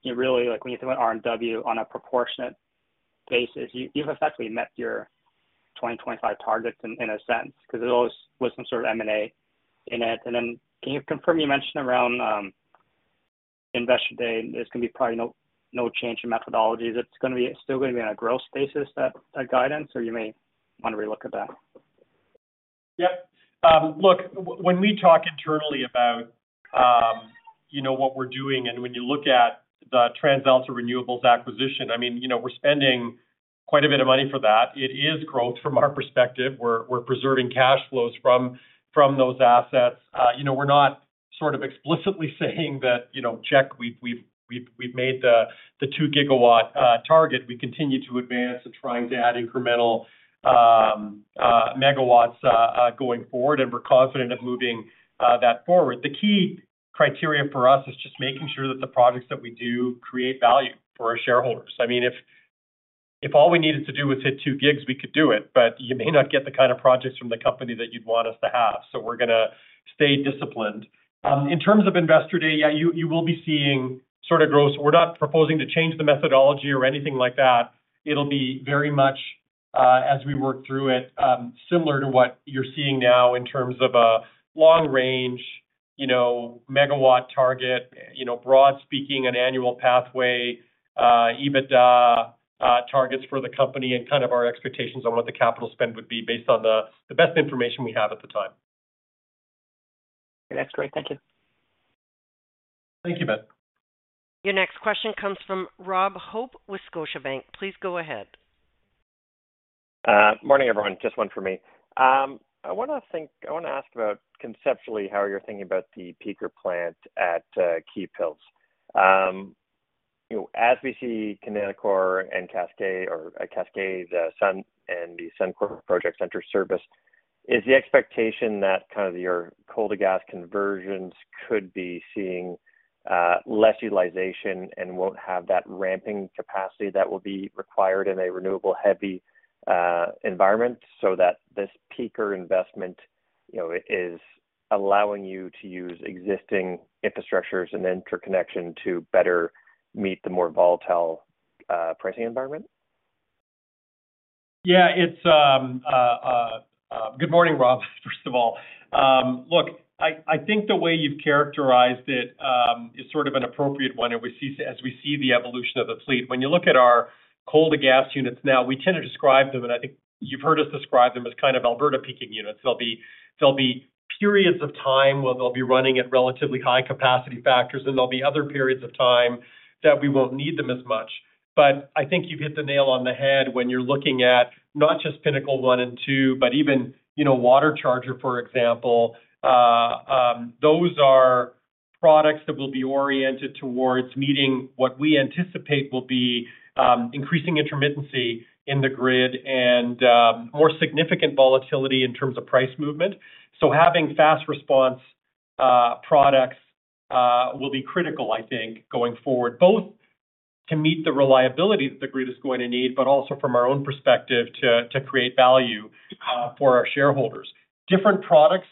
you really like when you think about RNW on a proportionate basis, you've effectively met your 2025 targets in a sense, 'cause it always was some sort of M&A in it. Can you confirm, you mentioned around Investor Day, there's gonna be probably no change in methodologies. It's gonna be still gonna be on a growth basis, that guidance, or you may want to relook at that? Yep. Look, when we talk internally about, you know, what we're doing, when you look at the TransAlta Renewables acquisition, I mean, you know, we're spending quite a bit of money for that. It is growth from our perspective. We're preserving cash flows from those assets. You know, we're not sort of explicitly saying that, you know, "Check, we've made the, the 2 GW target." We continue to advance and trying to add incremental megawatts going forward, and we're confident of moving that forward. The key criteria for us is just making sure that the projects that we do create value for our shareholders. I mean, if all we needed to do was hit 2 GW, we could do it, but you may not get the kind of projects from the company that you'd want us to have. We're gonna stay disciplined. In terms of Investor Day, yeah, you will be seeing sort of growth. We're not proposing to change the methodology or anything like that. It'll be very much, as we work through it, similar to what you're seeing now in terms of a long range, you know, megawatt target, you know, broad speaking, an annual pathway, EBITDA targets for the company, and kind of our expectations on what the capital spend would be based on the best information we have at the time. That's great. Thank you. Thank you, Ben. Your next question comes from Rob Hope with Scotiabank. Please go ahead. Morning, everyone. Just one for me. I wanna ask about, conceptually, how you're thinking about the peaker plant at Keephills. You know, as we see Kineticor and Cascade or Cascade, the Sun and the Suncor Project enter service, is the expectation that kind of your coal to gas conversions could be seeing less utilization and won't have that ramping capacity that will be required in a renewable heavy environment, so that this peaker investment, you know, is allowing you to use existing infrastructures and interconnection to better meet the more volatile pricing environment? Yeah, it's. Good morning, Rob, first of all. Look, I, I think the way you've characterized it is sort of an appropriate one, as we see the evolution of the fleet. When you look at our coal to gas units now, we tend to describe them, and I think you've heard us describe them, as kind of Alberta peaking units. There'll be, there'll be periods of time where they'll be running at relatively high capacity factors, and there'll be other periods of time that we won't need them as much. I think you've hit the nail on the head when you're looking at not just Pinnacle 1 and 2, but even, you know, WaterCharger, for example. Those are products that will be oriented towards meeting what we anticipate will be increasing intermittency in the grid and more significant volatility in terms of price movement. Having fast response products will be critical, I think, going forward, both to meet the reliability that the grid is going to need, but also from our own perspective, to, to create value for our shareholders. Different products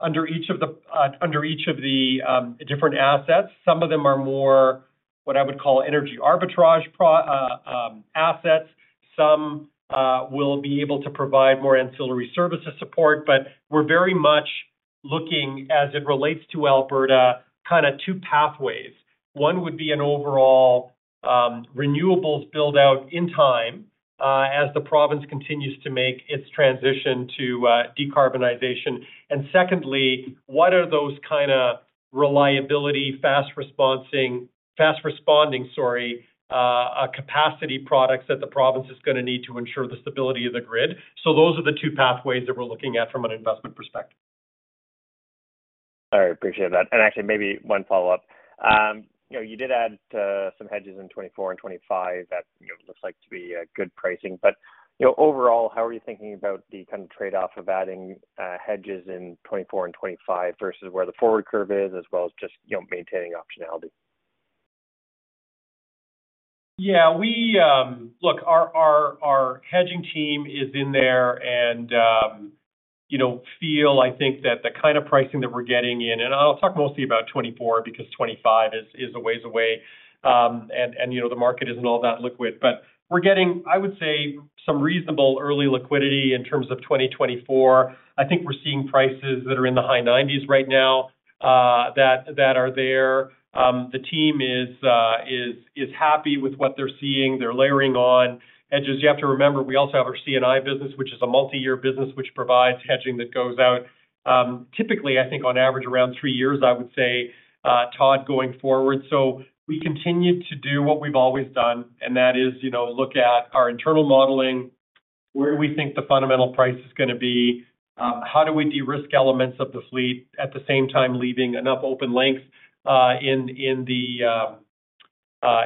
under each of the under each of the different assets. Some of them are more, what I would call, energy arbitrage assets. Some will be able to provide more ancillary services support. We're very much looking, as it relates to Alberta, kind of two pathways. One would be an overall renewables build-out in time as the province continues to make its transition to decarbonization. Secondly, what are those kind of reliability, fast responding, sorry, capacity products that the province is gonna need to ensure the stability of the grid? Those are the two pathways that we're looking at from an investment perspective. All right, appreciate that. Actually, maybe one follow-up. you know, you did add some hedges in 2024 and 2025. That, you know, looks like to be a good pricing. you know, overall, how are you thinking about the kind of trade-off of adding hedges in 2024 and 2025 versus where the forward curve is, as well as just, you know, maintaining optionality? Yeah, we. Look, our hedging team is in there and, you know, feel, I think, that the kind of pricing that we're getting in, and I'll talk mostly about 2024, because 2025 is a ways away, and, you know, the market isn't all that liquid. We're getting, I would say, some reasonable early liquidity in terms of 2024. I think we're seeing prices that are in the high 90s right now, that are there. The team is happy with what they're seeing. They're layering on. Just you have to remember, we also have our C&I business, which is a multi-year business, which provides hedging that goes out, typically, I think on average, around three years, I would say, Todd, going forward. We continue to do what we've always done, and that is, you know, look at our internal modeling, where we think the fundamental price is gonna be, how do we de-risk elements of the fleet, at the same time, leaving enough open length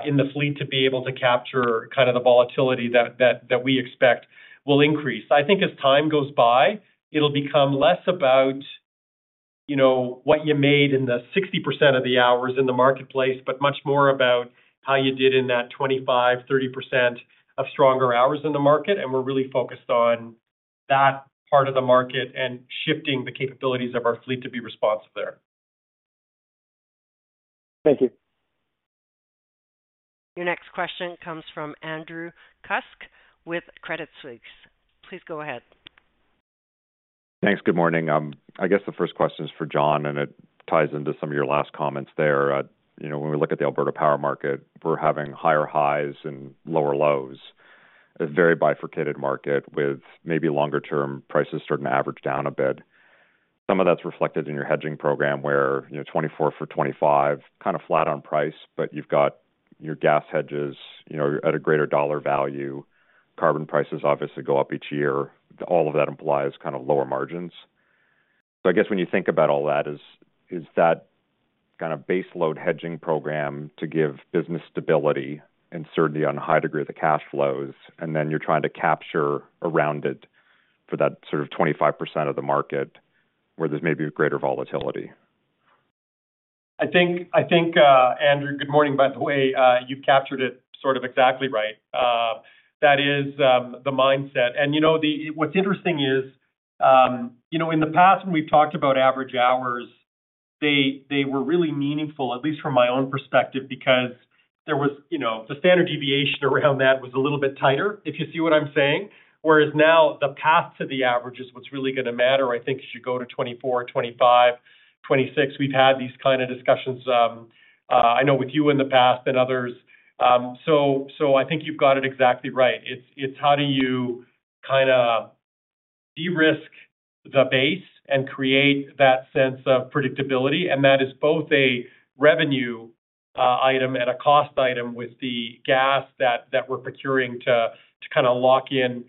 in the fleet to be able to capture kind of the volatility that, that we expect will increase. I think as time goes by, it'll become less about, you know, what you made in the 60% of the hours in the marketplace, but much more about how you did in that 25%-30% of stronger hours in the market. We're really focused on that part of the market and shifting the capabilities of our fleet to be responsive there. Thank you. Your next question comes from Andrew Kuske with Credit Suisse. Please go ahead. Thanks. Good morning. I guess the first question is for John, and it ties into some of your last comments there. You know, when we look at the Alberta power market, we're having higher highs and lower lows. A very bifurcated market with maybe longer-term prices starting to average down a bit. Some of that's reflected in your hedging program, where, you know, 2024 for 2025, kind of flat on price, but you've got your gas hedges, you know, at a greater dollar value. Carbon prices obviously go up each year. All of that implies kind of lower margins. I guess when you think about all that, is that kind of base load hedging program to give business stability and certainty on a high degree of the cash flows, and then you're trying to capture around it for that sort of 25% of the market where there's maybe a greater volatility? I think, Andrew, good morning, by the way, you captured it sort of exactly right. That is the mindset. You know, the-- what's interesting is, you know, in the past, when we've talked about average hours, they, they were really meaningful, at least from my own perspective, because there was, you know, the standard deviation around that was a little bit tighter, if you see what I'm saying. Whereas now, the path to the average is what's really going to matter, I think, as you go to 2024, 2025, 2026. We've had these kind of discussions, I know with you in the past and others. So I think you've got it exactly right. It's how do you kinda de-risk the base and create that sense of predictability? That is both a revenue item and a cost item with the gas that, that we're procuring to, to kind of lock in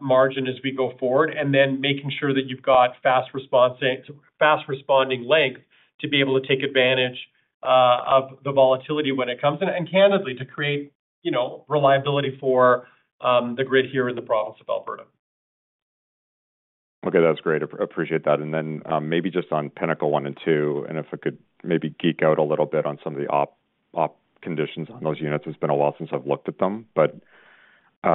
margin as we go forward, and then making sure that you've got fast responding length to be able to take advantage of the volatility when it comes in, and candidly, to create, you know, reliability for the grid here in the province of Alberta. Okay, that's great. Appreciate that. Maybe just on Pinnacle 1 and 2, and if I could maybe geek out a little bit on some of the op conditions on those units. It's been a while since I've looked at them, but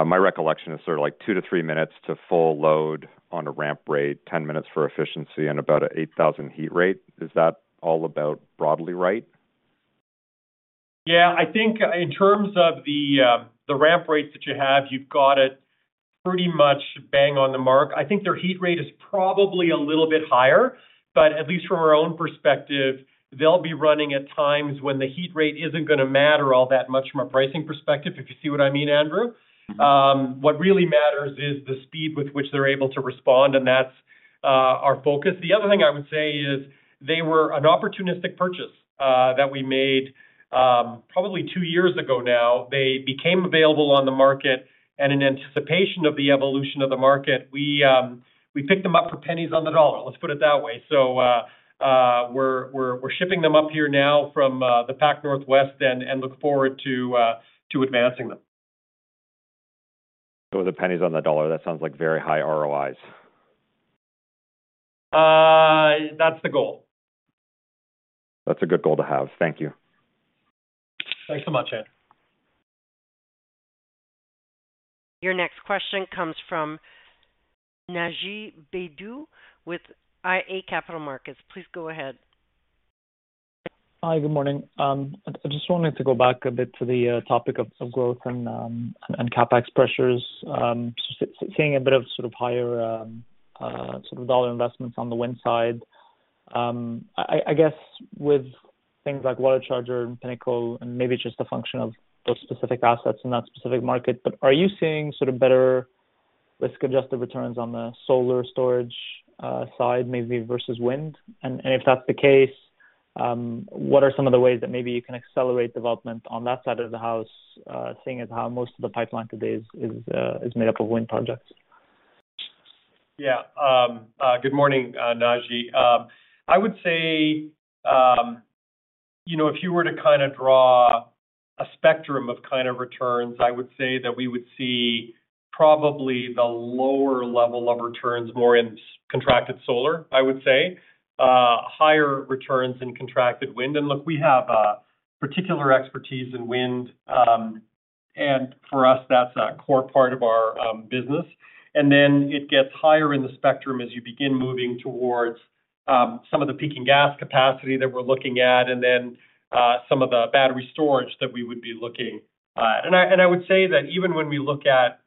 my recollection is sort of like two to three minutes to full load on a ramp rate, 10 minutes for efficiency, and about an 8,000 heat rate. Is that all about broadly right? Yeah, I think in terms of the, the ramp rates that you have, you've got it pretty much bang on the mark. I think their heat rate is probably a little bit higher, but at least from our own perspective, they'll be running at times when the heat rate isn't going to matter all that much from a pricing perspective, if you see what I mean, Andrew. What really matters is the speed with which they're able to respond, that's our focus. The other thing I would say is they were an opportunistic purchase that we made probably two years ago now. They became available on the market, in anticipation of the evolution of the market, we picked them up for pennies on the dollar. Let's put it that way. We're shipping them up here now from the Pacific Northwest and look forward to advancing them. The pennies on the dollar, that sounds like very high ROIs. That's the goal. That's a good goal to have. Thank you. Thanks so much, Andrew. Your next question comes from Naji Baydoun with IA Capital Markets. Please go ahead. Hi, good morning. I just wanted to go back a bit to the topic of, of growth and CapEx pressures. Seeing a bit of sort of higher, sort of dollar investments on the wind side. I guess with things like WaterCharger and Pinnacle, and maybe it's just a function of those specific assets in that specific market, but are you seeing sort of better risk-adjusted returns on the solar storage side, maybe versus wind? If that's the case, what are some of the ways that maybe you can accelerate development on that side of the house, seeing as how most of the pipeline today is, is made up of wind projects? Yeah, good morning, Naji. I would say, you know, if you were to kind of draw a spectrum of kind of returns, I would say that we would see probably the lower level of returns more in contracted solar, I would say. Higher returns in contracted wind. Look, we have a particular expertise in wind, and for us, that's a core part of our business. Then it gets higher in the spectrum as you begin moving towards some of the peaking gas capacity that we're looking at, and then some of the battery storage that we would be looking at. And I would say that even when we look at,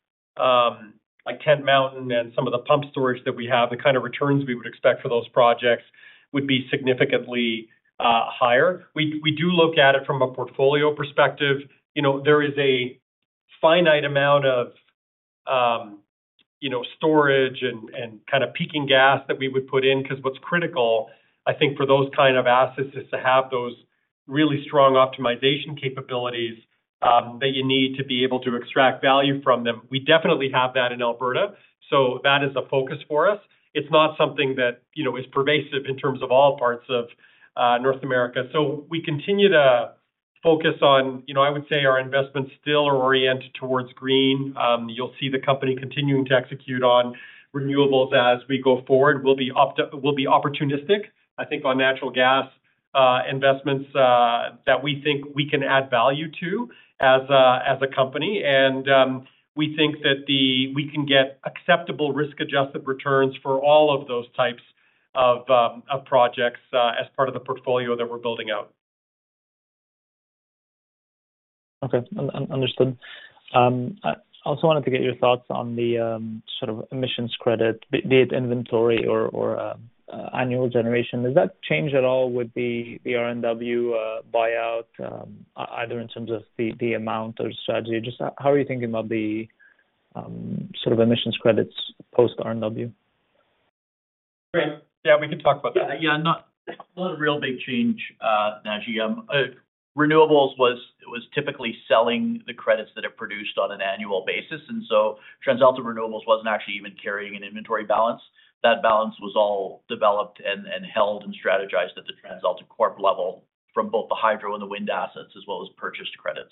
like Tent Mountain and some of the pump storage that we have, the kind of returns we would expect for those projects would be significantly higher. We, we do look at it from a portfolio perspective. You know, there is a finite amount of, you know, storage and, and kind of peaking gas that we would put in, because what's critical, I think, for those kind of assets, is to have those really strong optimization capabilities that you need to be able to extract value from them. We definitely have that in Alberta, so that is a focus for us. It's not something that, you know, is pervasive in terms of all parts of North America. We continue to focus on... You know, I would say our investments still are oriented towards green. You'll see the company continuing to execute on renewables as we go forward. We'll be opportunistic, I think, on natural gas investments that we think we can add value to as a company. We think that we can get acceptable risk-adjusted returns for all of those types of projects as part of the portfolio that we're building out. Okay, understood. I also wanted to get your thoughts on the sort of emissions credit, the the inventory or or annual generation. Does that change at all with the the RNW buyout, either in terms of the the amount or strategy? Just how how are you thinking about the sort of emissions credits post RNW? Great. Yeah, we can talk about that. Yeah, not a real big change, Naji. renewables was, was typically selling the credits that it produced on an annual basis, and so TransAlta Renewables wasn't actually even carrying an inventory balance. That balance was all developed and, and held and strategized at the TransAlta Corp level from both the hydro and the wind assets, as well as purchased credits.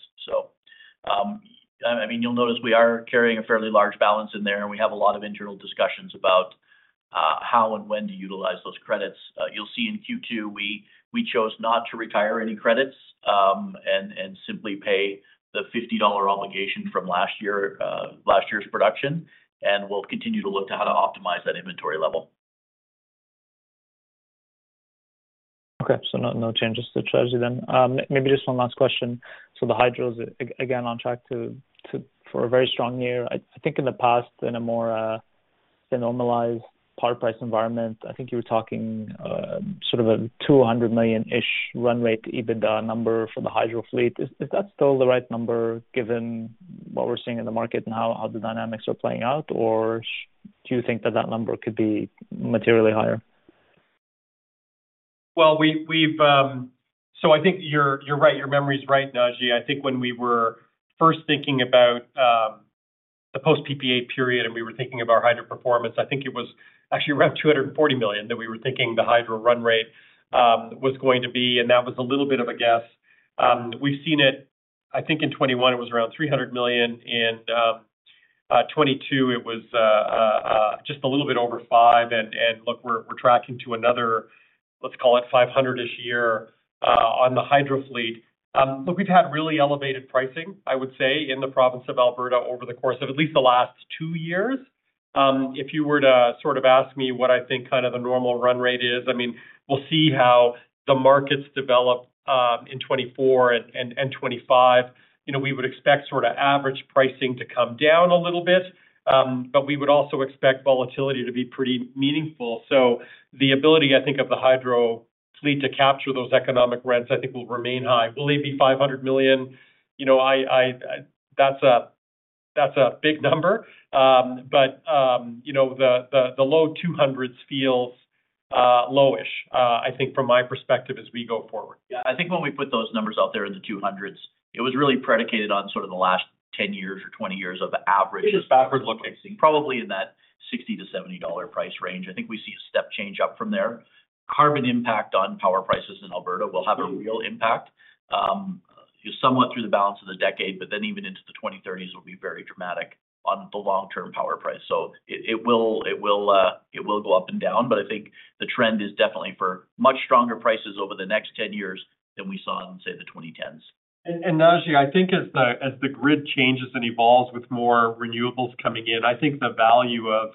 I mean, you'll notice we are carrying a fairly large balance in there, and we have a lot of internal discussions about how and when to utilize those credits. you'll see in Q2, we, we chose not to retire any credits, and, and simply pay the 50 dollar obligation from last year's production, and we'll continue to look to how to optimize that inventory level. No changes to strategy then. Maybe just one last question. The hydros, again, on track for a very strong year. I think in the past, in a more normalized power price environment, I think you were talking sort of a 200 million-ish run rate EBITDA number for the hydro fleet. Is that still the right number, given what we're seeing in the market and how the dynamics are playing out? Or do you think that that number could be materially higher? Well, we've-- I think you're, you're right. Your memory is right, Naji. I think when we were first thinking about the post-PPA period, and we were thinking of our hydro performance, I think it was actually around 240 million, that we were thinking the hydro run rate was going to be, and that was a little bit of a guess. We've seen it, I think in 2021, it was around 300 million. In 2022, it was just a little bit over 500 million. Look, we're tracking to another, let's call it 500 million this year on the hydro fleet. We've had really elevated pricing, I would say, in the province of Alberta over the course of at least the last two years. If you were to sort of ask me what I think kind of a normal run rate is, I mean, we'll see how the markets develop in 2024 and 2025. You know, we would expect sort of average pricing to come down a little bit, we would also expect volatility to be pretty meaningful. The ability, I think, of the hydro fleet to capture those economic rents, I think, will remain high. Will they be 500 million? You know, That's a big number. You know, the low-CAD 200 million feels lowish, I think from my perspective as we go forward. Yeah, I think when we put those numbers out there in the 200 million, it was really predicated on sort of the last 10 years or 20 years of average... It is backward looking. Probably in that 60-70 dollar price range. I think we see a step change up from there. Carbon impact on power prices in Alberta will have a real impact, somewhat through the balance of the decade, but then even into the 2030s will be very dramatic on the long-term power price. It, it will, it will, it will go up and down, but I think the trend is definitely for much stronger prices over the next 10 years than we saw in, say, the 2010s. Naji, I think as the, as the grid changes and evolves with more renewables coming in, I think the value of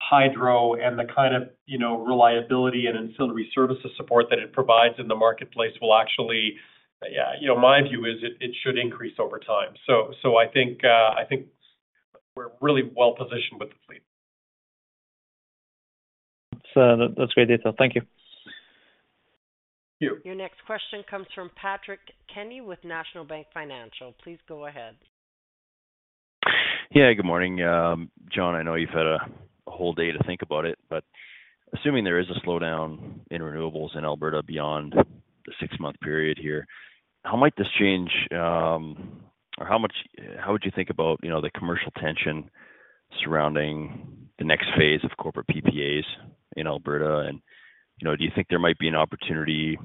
hydro and the kind of, you know, reliability and ancillary services support that it provides in the marketplace will actually. Yeah, you know, my view is it, it should increase over time. I think we're really well-positioned with the fleet. That's great detail. Thank you. Thank you. Your next question comes from Patrick Kenny with National Bank Financial. Please go ahead. Yeah, good morning. John, I know you've had a whole day to think about it, assuming there is a slowdown in renewables in Alberta beyond the six-month period here, how might this change, or how would you think about, you know, the commercial tension surrounding the next phase of corporate PPAs in Alberta? You know, do you think there might be an opportunity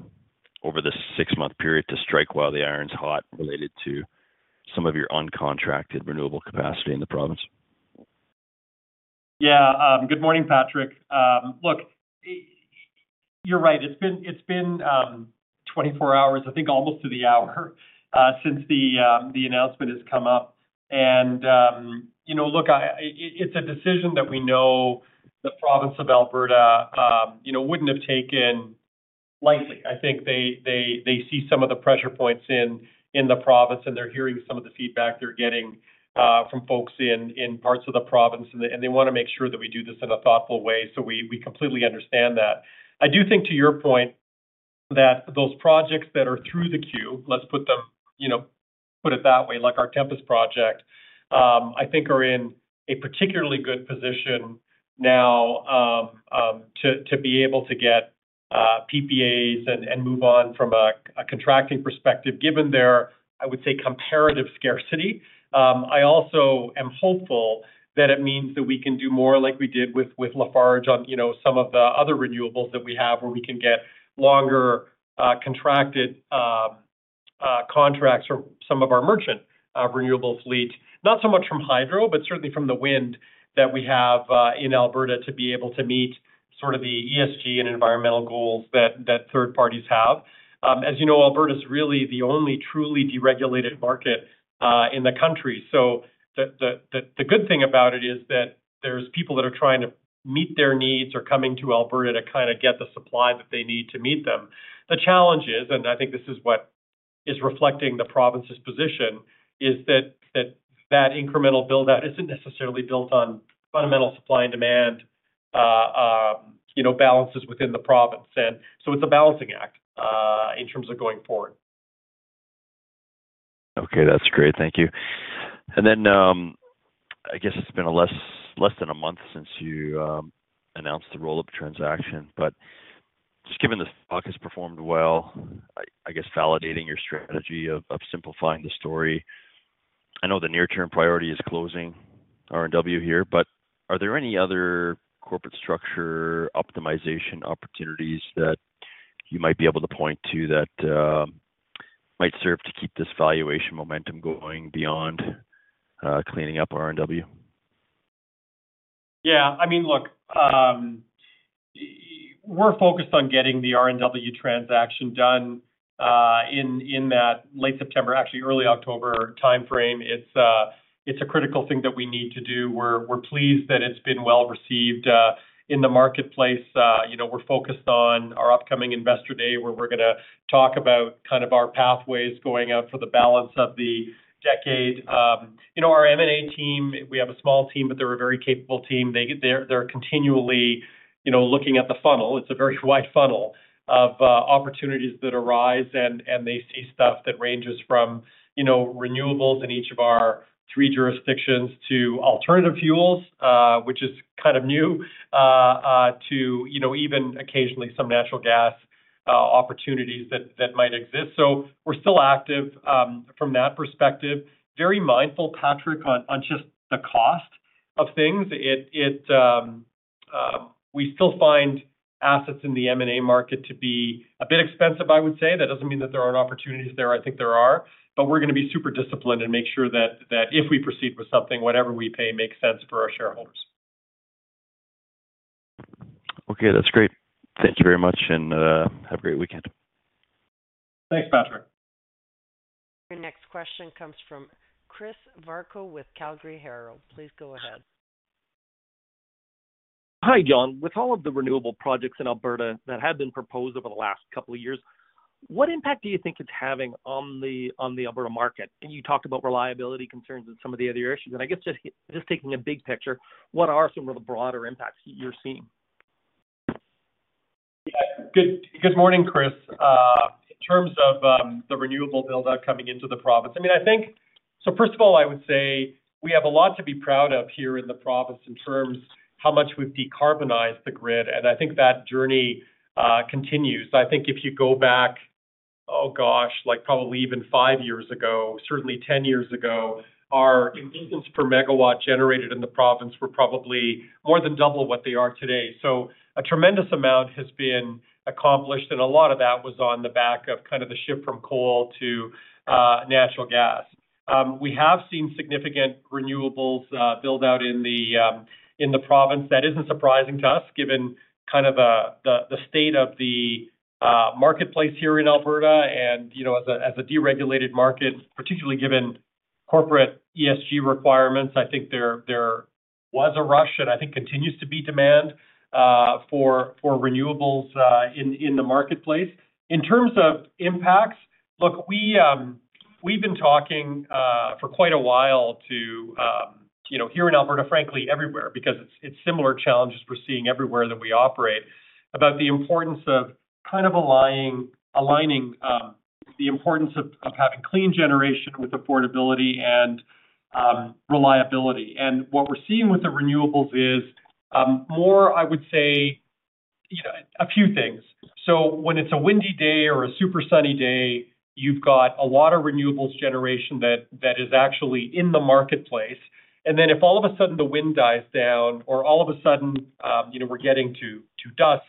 over this six-month period to strike while the iron is hot, related to some of your uncontracted renewable capacity in the province? Yeah. Good morning, Patrick. Look, you're right. It's been 24 hours, I think, almost to the hour, since the announcement has come up. You know, look, it's a decision that we know the province of Alberta, you know, wouldn't have taken lightly. I think they see some of the pressure points in the province, and they're hearing some of the feedback they're getting from folks in parts of the province, and they want to make sure that we do this in a thoughtful way, so we completely understand that. I do think, to your point, that those projects that are through the queue, let's put them, you know, put it that way, like our Tempest project, I think are in a particularly good position now, to be able to get PPAs and move on from a contracting perspective, given their, I would say, comparative scarcity. I also am hopeful that it means that we can do more like we did with, with Lafarge on, you know, some of the other renewables that we have, where we can get longer, contracted, contracts for some of our merchant, renewable fleet. Not so much from hydro, but certainly from the wind that we have, in Alberta, to be able to meet sort of the ESG and environmental goals that, that third parties have. As you know, Alberta is really the only truly deregulated market in the country. The good thing about it is that there's people that are trying to meet their needs, are coming to Alberta to kinda get the supply that they need to meet them. The challenge is, I think this is reflecting the province's position, is that incremental build-out isn't necessarily built on fundamental supply and demand, you know, balances within the province. It's a balancing act in terms of going forward. Okay, that's great. Thank you. I guess it's been a less, less than a month since you announced the roll-up transaction. Just given the stock has performed well, I guess, validating your strategy of, of simplifying the story. I know the near-term priority is closing RNW here, but are there any other corporate structure optimization opportunities that you might be able to point to that might serve to keep this valuation momentum going beyond cleaning up RNW? Yeah, I mean, look, we're focused on getting the RNW transaction done in, in that late September, actually, early October time frame. It's, it's a critical thing that we need to do. We're, we're pleased that it's been well-received in the marketplace. You know, we're focused on our upcoming Investor Day, where we're going to talk about kind of our pathways going out for the balance of the decade. You know, our M&A team, we have a small team, but they're a very capable team. They're, they're continually, you know, looking at the funnel. It's a very wide funnel of opportunities that arise, and, and they see stuff that ranges from, you know, renewables in each of our three jurisdictions to alternative fuels, which is kind of new, to, you know, even occasionally some natural gas opportunities that, that might exist. We're still active from that perspective. Very mindful, Patrick, on, on just the cost of things. We still find assets in the M&A market to be a bit expensive, I would say. That doesn't mean that there aren't opportunities there, I think there are, but we're going to be super disciplined and make sure that, that if we proceed with something, whatever we pay makes sense for our shareholders. Okay, that's great. Thank you very much, and, have a great weekend. Thanks, Patrick. Your next question comes from Chris Varcoe with Calgary Herald. Please go ahead. Hi, John. With all of the renewable projects in Alberta that have been proposed over the last couple of years, what impact do you think it's having on the Alberta market? You talked about reliability concerns and some of the other issues, I guess just taking a big picture, what are some of the broader impacts you're seeing? Yeah. Good, good morning, Chris. In terms of the renewable build-out coming into the province, I mean, first of all, I would say we have a lot to be proud of here in the province in terms how much we've decarbonized the grid, and I think that journey continues. I think if you go back, oh, gosh, like probably even 5 years ago, certainly 10 years ago, our emissions per megawatt generated in the province were probably more than double what they are today. A tremendous amount has been accomplished, and a lot of that was on the back of kind of the shift from coal to natural gas. We have seen significant renewables build-out in the in the province. That isn't surprising to us, given kind of the state of the, marketplace here in Alberta and, you know, as a, as a deregulated market, particularly given corporate ESG requirements. I think there, there was a rush, and I think continues to be demand for renewables in the marketplace. In terms of impacts, look, we've been talking, for quite a while to, you know, here in Alberta, frankly, everywhere, because it's, it's similar challenges we're seeing everywhere that we operate, about the importance of kind of aligning, the importance of, of having clean generation with affordability and, reliability. And what we're seeing with the renewables is, more, I would say, you know, a few things. When it's a windy day or a super sunny day, you've got a lot of renewables generation that, that is actually in the marketplace. Then if all of a sudden the wind dies down or all of a sudden, you know, we're getting to dusk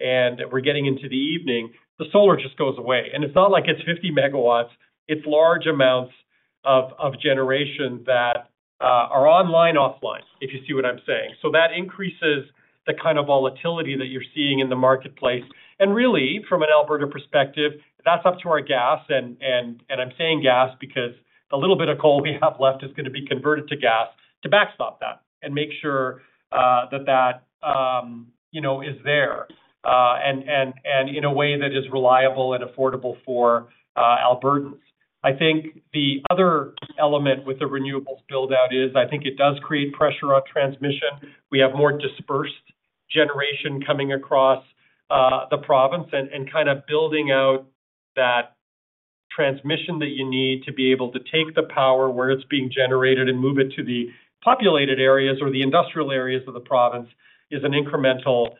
and we're getting into the evening, the solar just goes away. It's not like it's 50 MW, it's large amounts of generation that are online, offline, if you see what I'm saying. That increases the kind of volatility that you're seeing in the marketplace. Really, from an Alberta perspective, that's up to our gas, and, and, and I'm saying gas because the little bit of coal we have left is going to be converted to gas to backstop that and make sure that that, you know, is there, and, and, and in a way that is reliable and affordable for Albertans. I think the other element with the renewables build-out is, I think it does create pressure on transmission. We have more dispersed generation coming across the province, and, and kind of building out that transmission that you need to be able to take the power where it's being generated and move it to the populated areas or the industrial areas of the province, is an incremental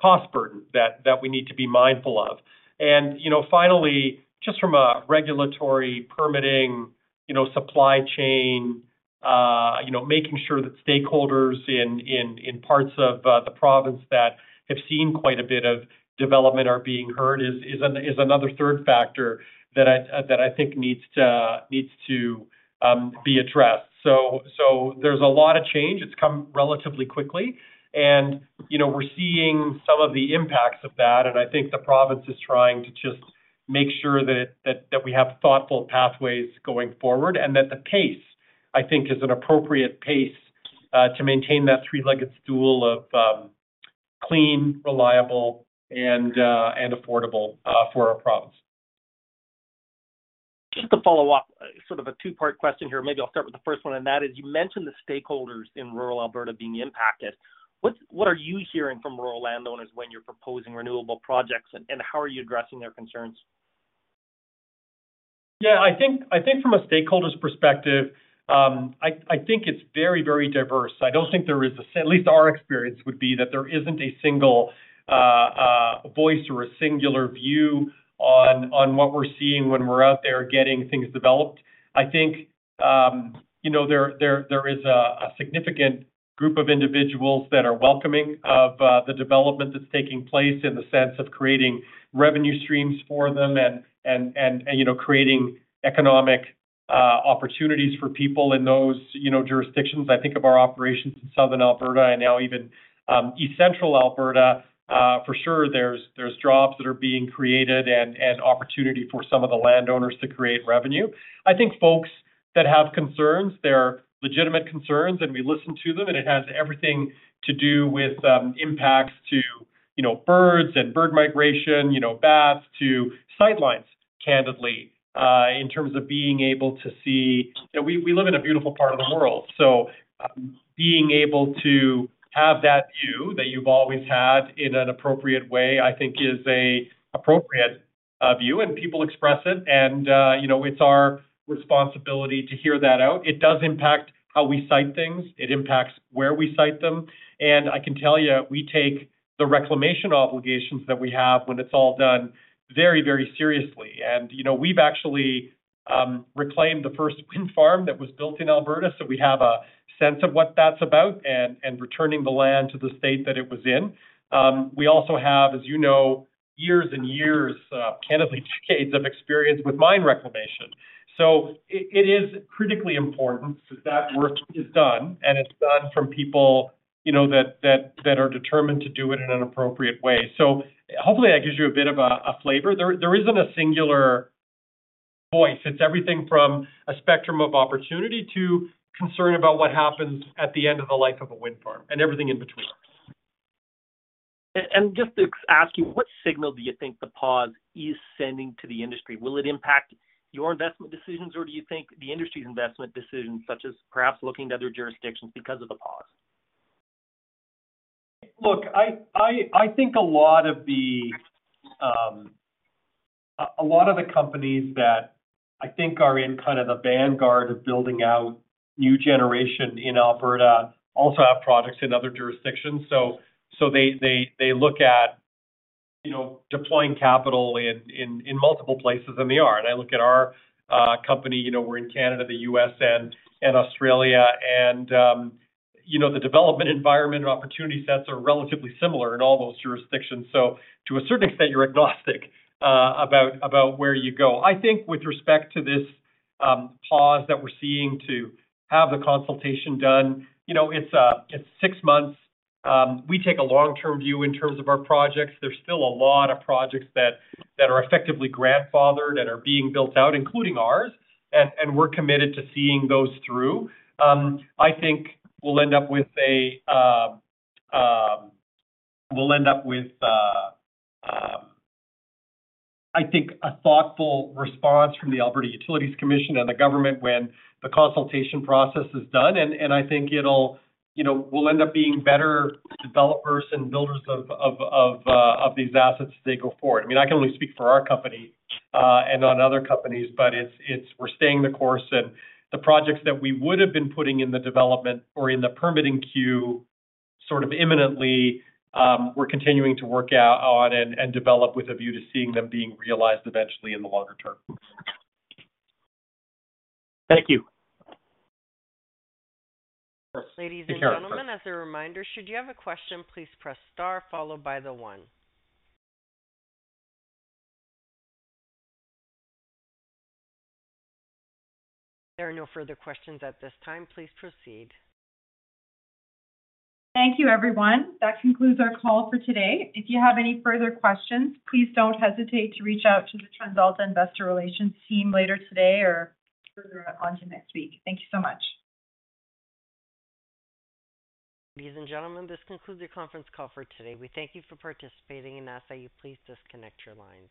cost burden that, that we need to be mindful of. You know, finally, just from a regulatory permitting, you know, supply chain, you know, making sure that stakeholders in, in, in parts of the province that have seen quite a bit of development are being heard is, is a, is another third factor that I, that I think needs to, needs to be addressed. There's a lot of change. It's come relatively quickly and, you know, we're seeing some of the impacts of that, and I think the province is trying to make sure that, that, that we have thoughtful pathways going forward, and that the pace, I think, is an appropriate pace to maintain that three-legged stool of, clean, reliable, and affordable for our province. Just to follow up, sort of a two-part question here. Maybe I'll start with the first one, and that is, you mentioned the stakeholders in rural Alberta being impacted. What, what are you hearing from rural landowners when you're proposing renewable projects, and how are you addressing their concerns? Yeah, I think, I think from a stakeholder's perspective, I, I think it's very, very diverse. I don't think there is, at least our experience would be, that there isn't a single voice or a singular view on what we're seeing when we're out there getting things developed. I think, you know, there, there, there is a significant group of individuals that are welcoming of the development that's taking place in the sense of creating revenue streams for them and, you know, creating economic opportunities for people in those, you know, jurisdictions. I think of our operations in Southern Alberta and now even East Central Alberta. For sure, there's jobs that are being created and opportunity for some of the landowners to create revenue. I think folks that have concerns, they're legitimate concerns, and we listen to them, and it has everything to do with, impacts to, you know, birds and bird migration, you know, bats, to sightlines, candidly, in terms of being able to see. You know, we, we live in a beautiful part of the world, so, being able to have that view that you've always had in an appropriate way, I think, is a appropriate view, and people express it, and, you know, it's our responsibility to hear that out. It does impact how we site things. It impacts where we site them. I can tell you, we take the reclamation obligations that we have when it's all done very, very seriously. you know, we've actually reclaimed the first wind farm that was built in Alberta, so we have a sense of what that's about, and returning the land to the state that it was in. we also have, as you know, years and years, candidly, decades of experience with mine reclamation. it is critically important that that work is done, and it's done from people, you know, that are determined to do it in an appropriate way. hopefully, that gives you a bit of a flavor. There, there isn't a singular voice. It's everything from a spectrum of opportunity to concern about what happens at the end of the life of a wind farm, and everything in between. Just to ask you, what signal do you think the pause is sending to the industry? Will it impact your investment decisions, or do you think the industry's investment decisions, such as perhaps looking to other jurisdictions because of the pause? Look, I think a lot of the, a lot of the companies that I think are in kind of the vanguard of building out new generation in Alberta also have projects in other jurisdictions. So they look at, you know, deploying capital in multiple places, and they are. And I look at our company, you know, we're in Canada, the U.S., and Australia, and, you know, the development environment and opportunity sets are relatively similar in all those jurisdictions. So to a certain extent, you're agnostic about, about where you go. I think with respect to this pause that we're seeing to have the consultation done, you know, it's six months. We take a long-term view in terms of our projects. There's still a lot of projects that, that are effectively grandfathered and are being built out, including ours, and, and we're committed to seeing those through. I think we'll end up with a, We'll end up with, I think, a thoughtful response from the Alberta Utilities Commission and the government when the consultation process is done, and, and I think it'll, you know, we'll end up being better developers and builders of these assets as they go forward. I mean, I can only speak for our company, and not other companies, but it's, we're staying the course, and the projects that we would have been putting in the development or in the permitting queue, sort of imminently, we're continuing to work out on and develop with a view to seeing them being realized eventually in the longer term. Thank you. Ladies and gentlemen, as a reminder, should you have a question, please press star followed by the one. There are no further questions at this time. Please proceed. Thank you, everyone. That concludes our call for today. If you have any further questions, please don't hesitate to reach out to the TransAlta Investor Relations team later today or further on to next week. Thank you so much. Ladies and gentlemen, this concludes your conference call for today. We thank you for participating and ask that you please disconnect your lines.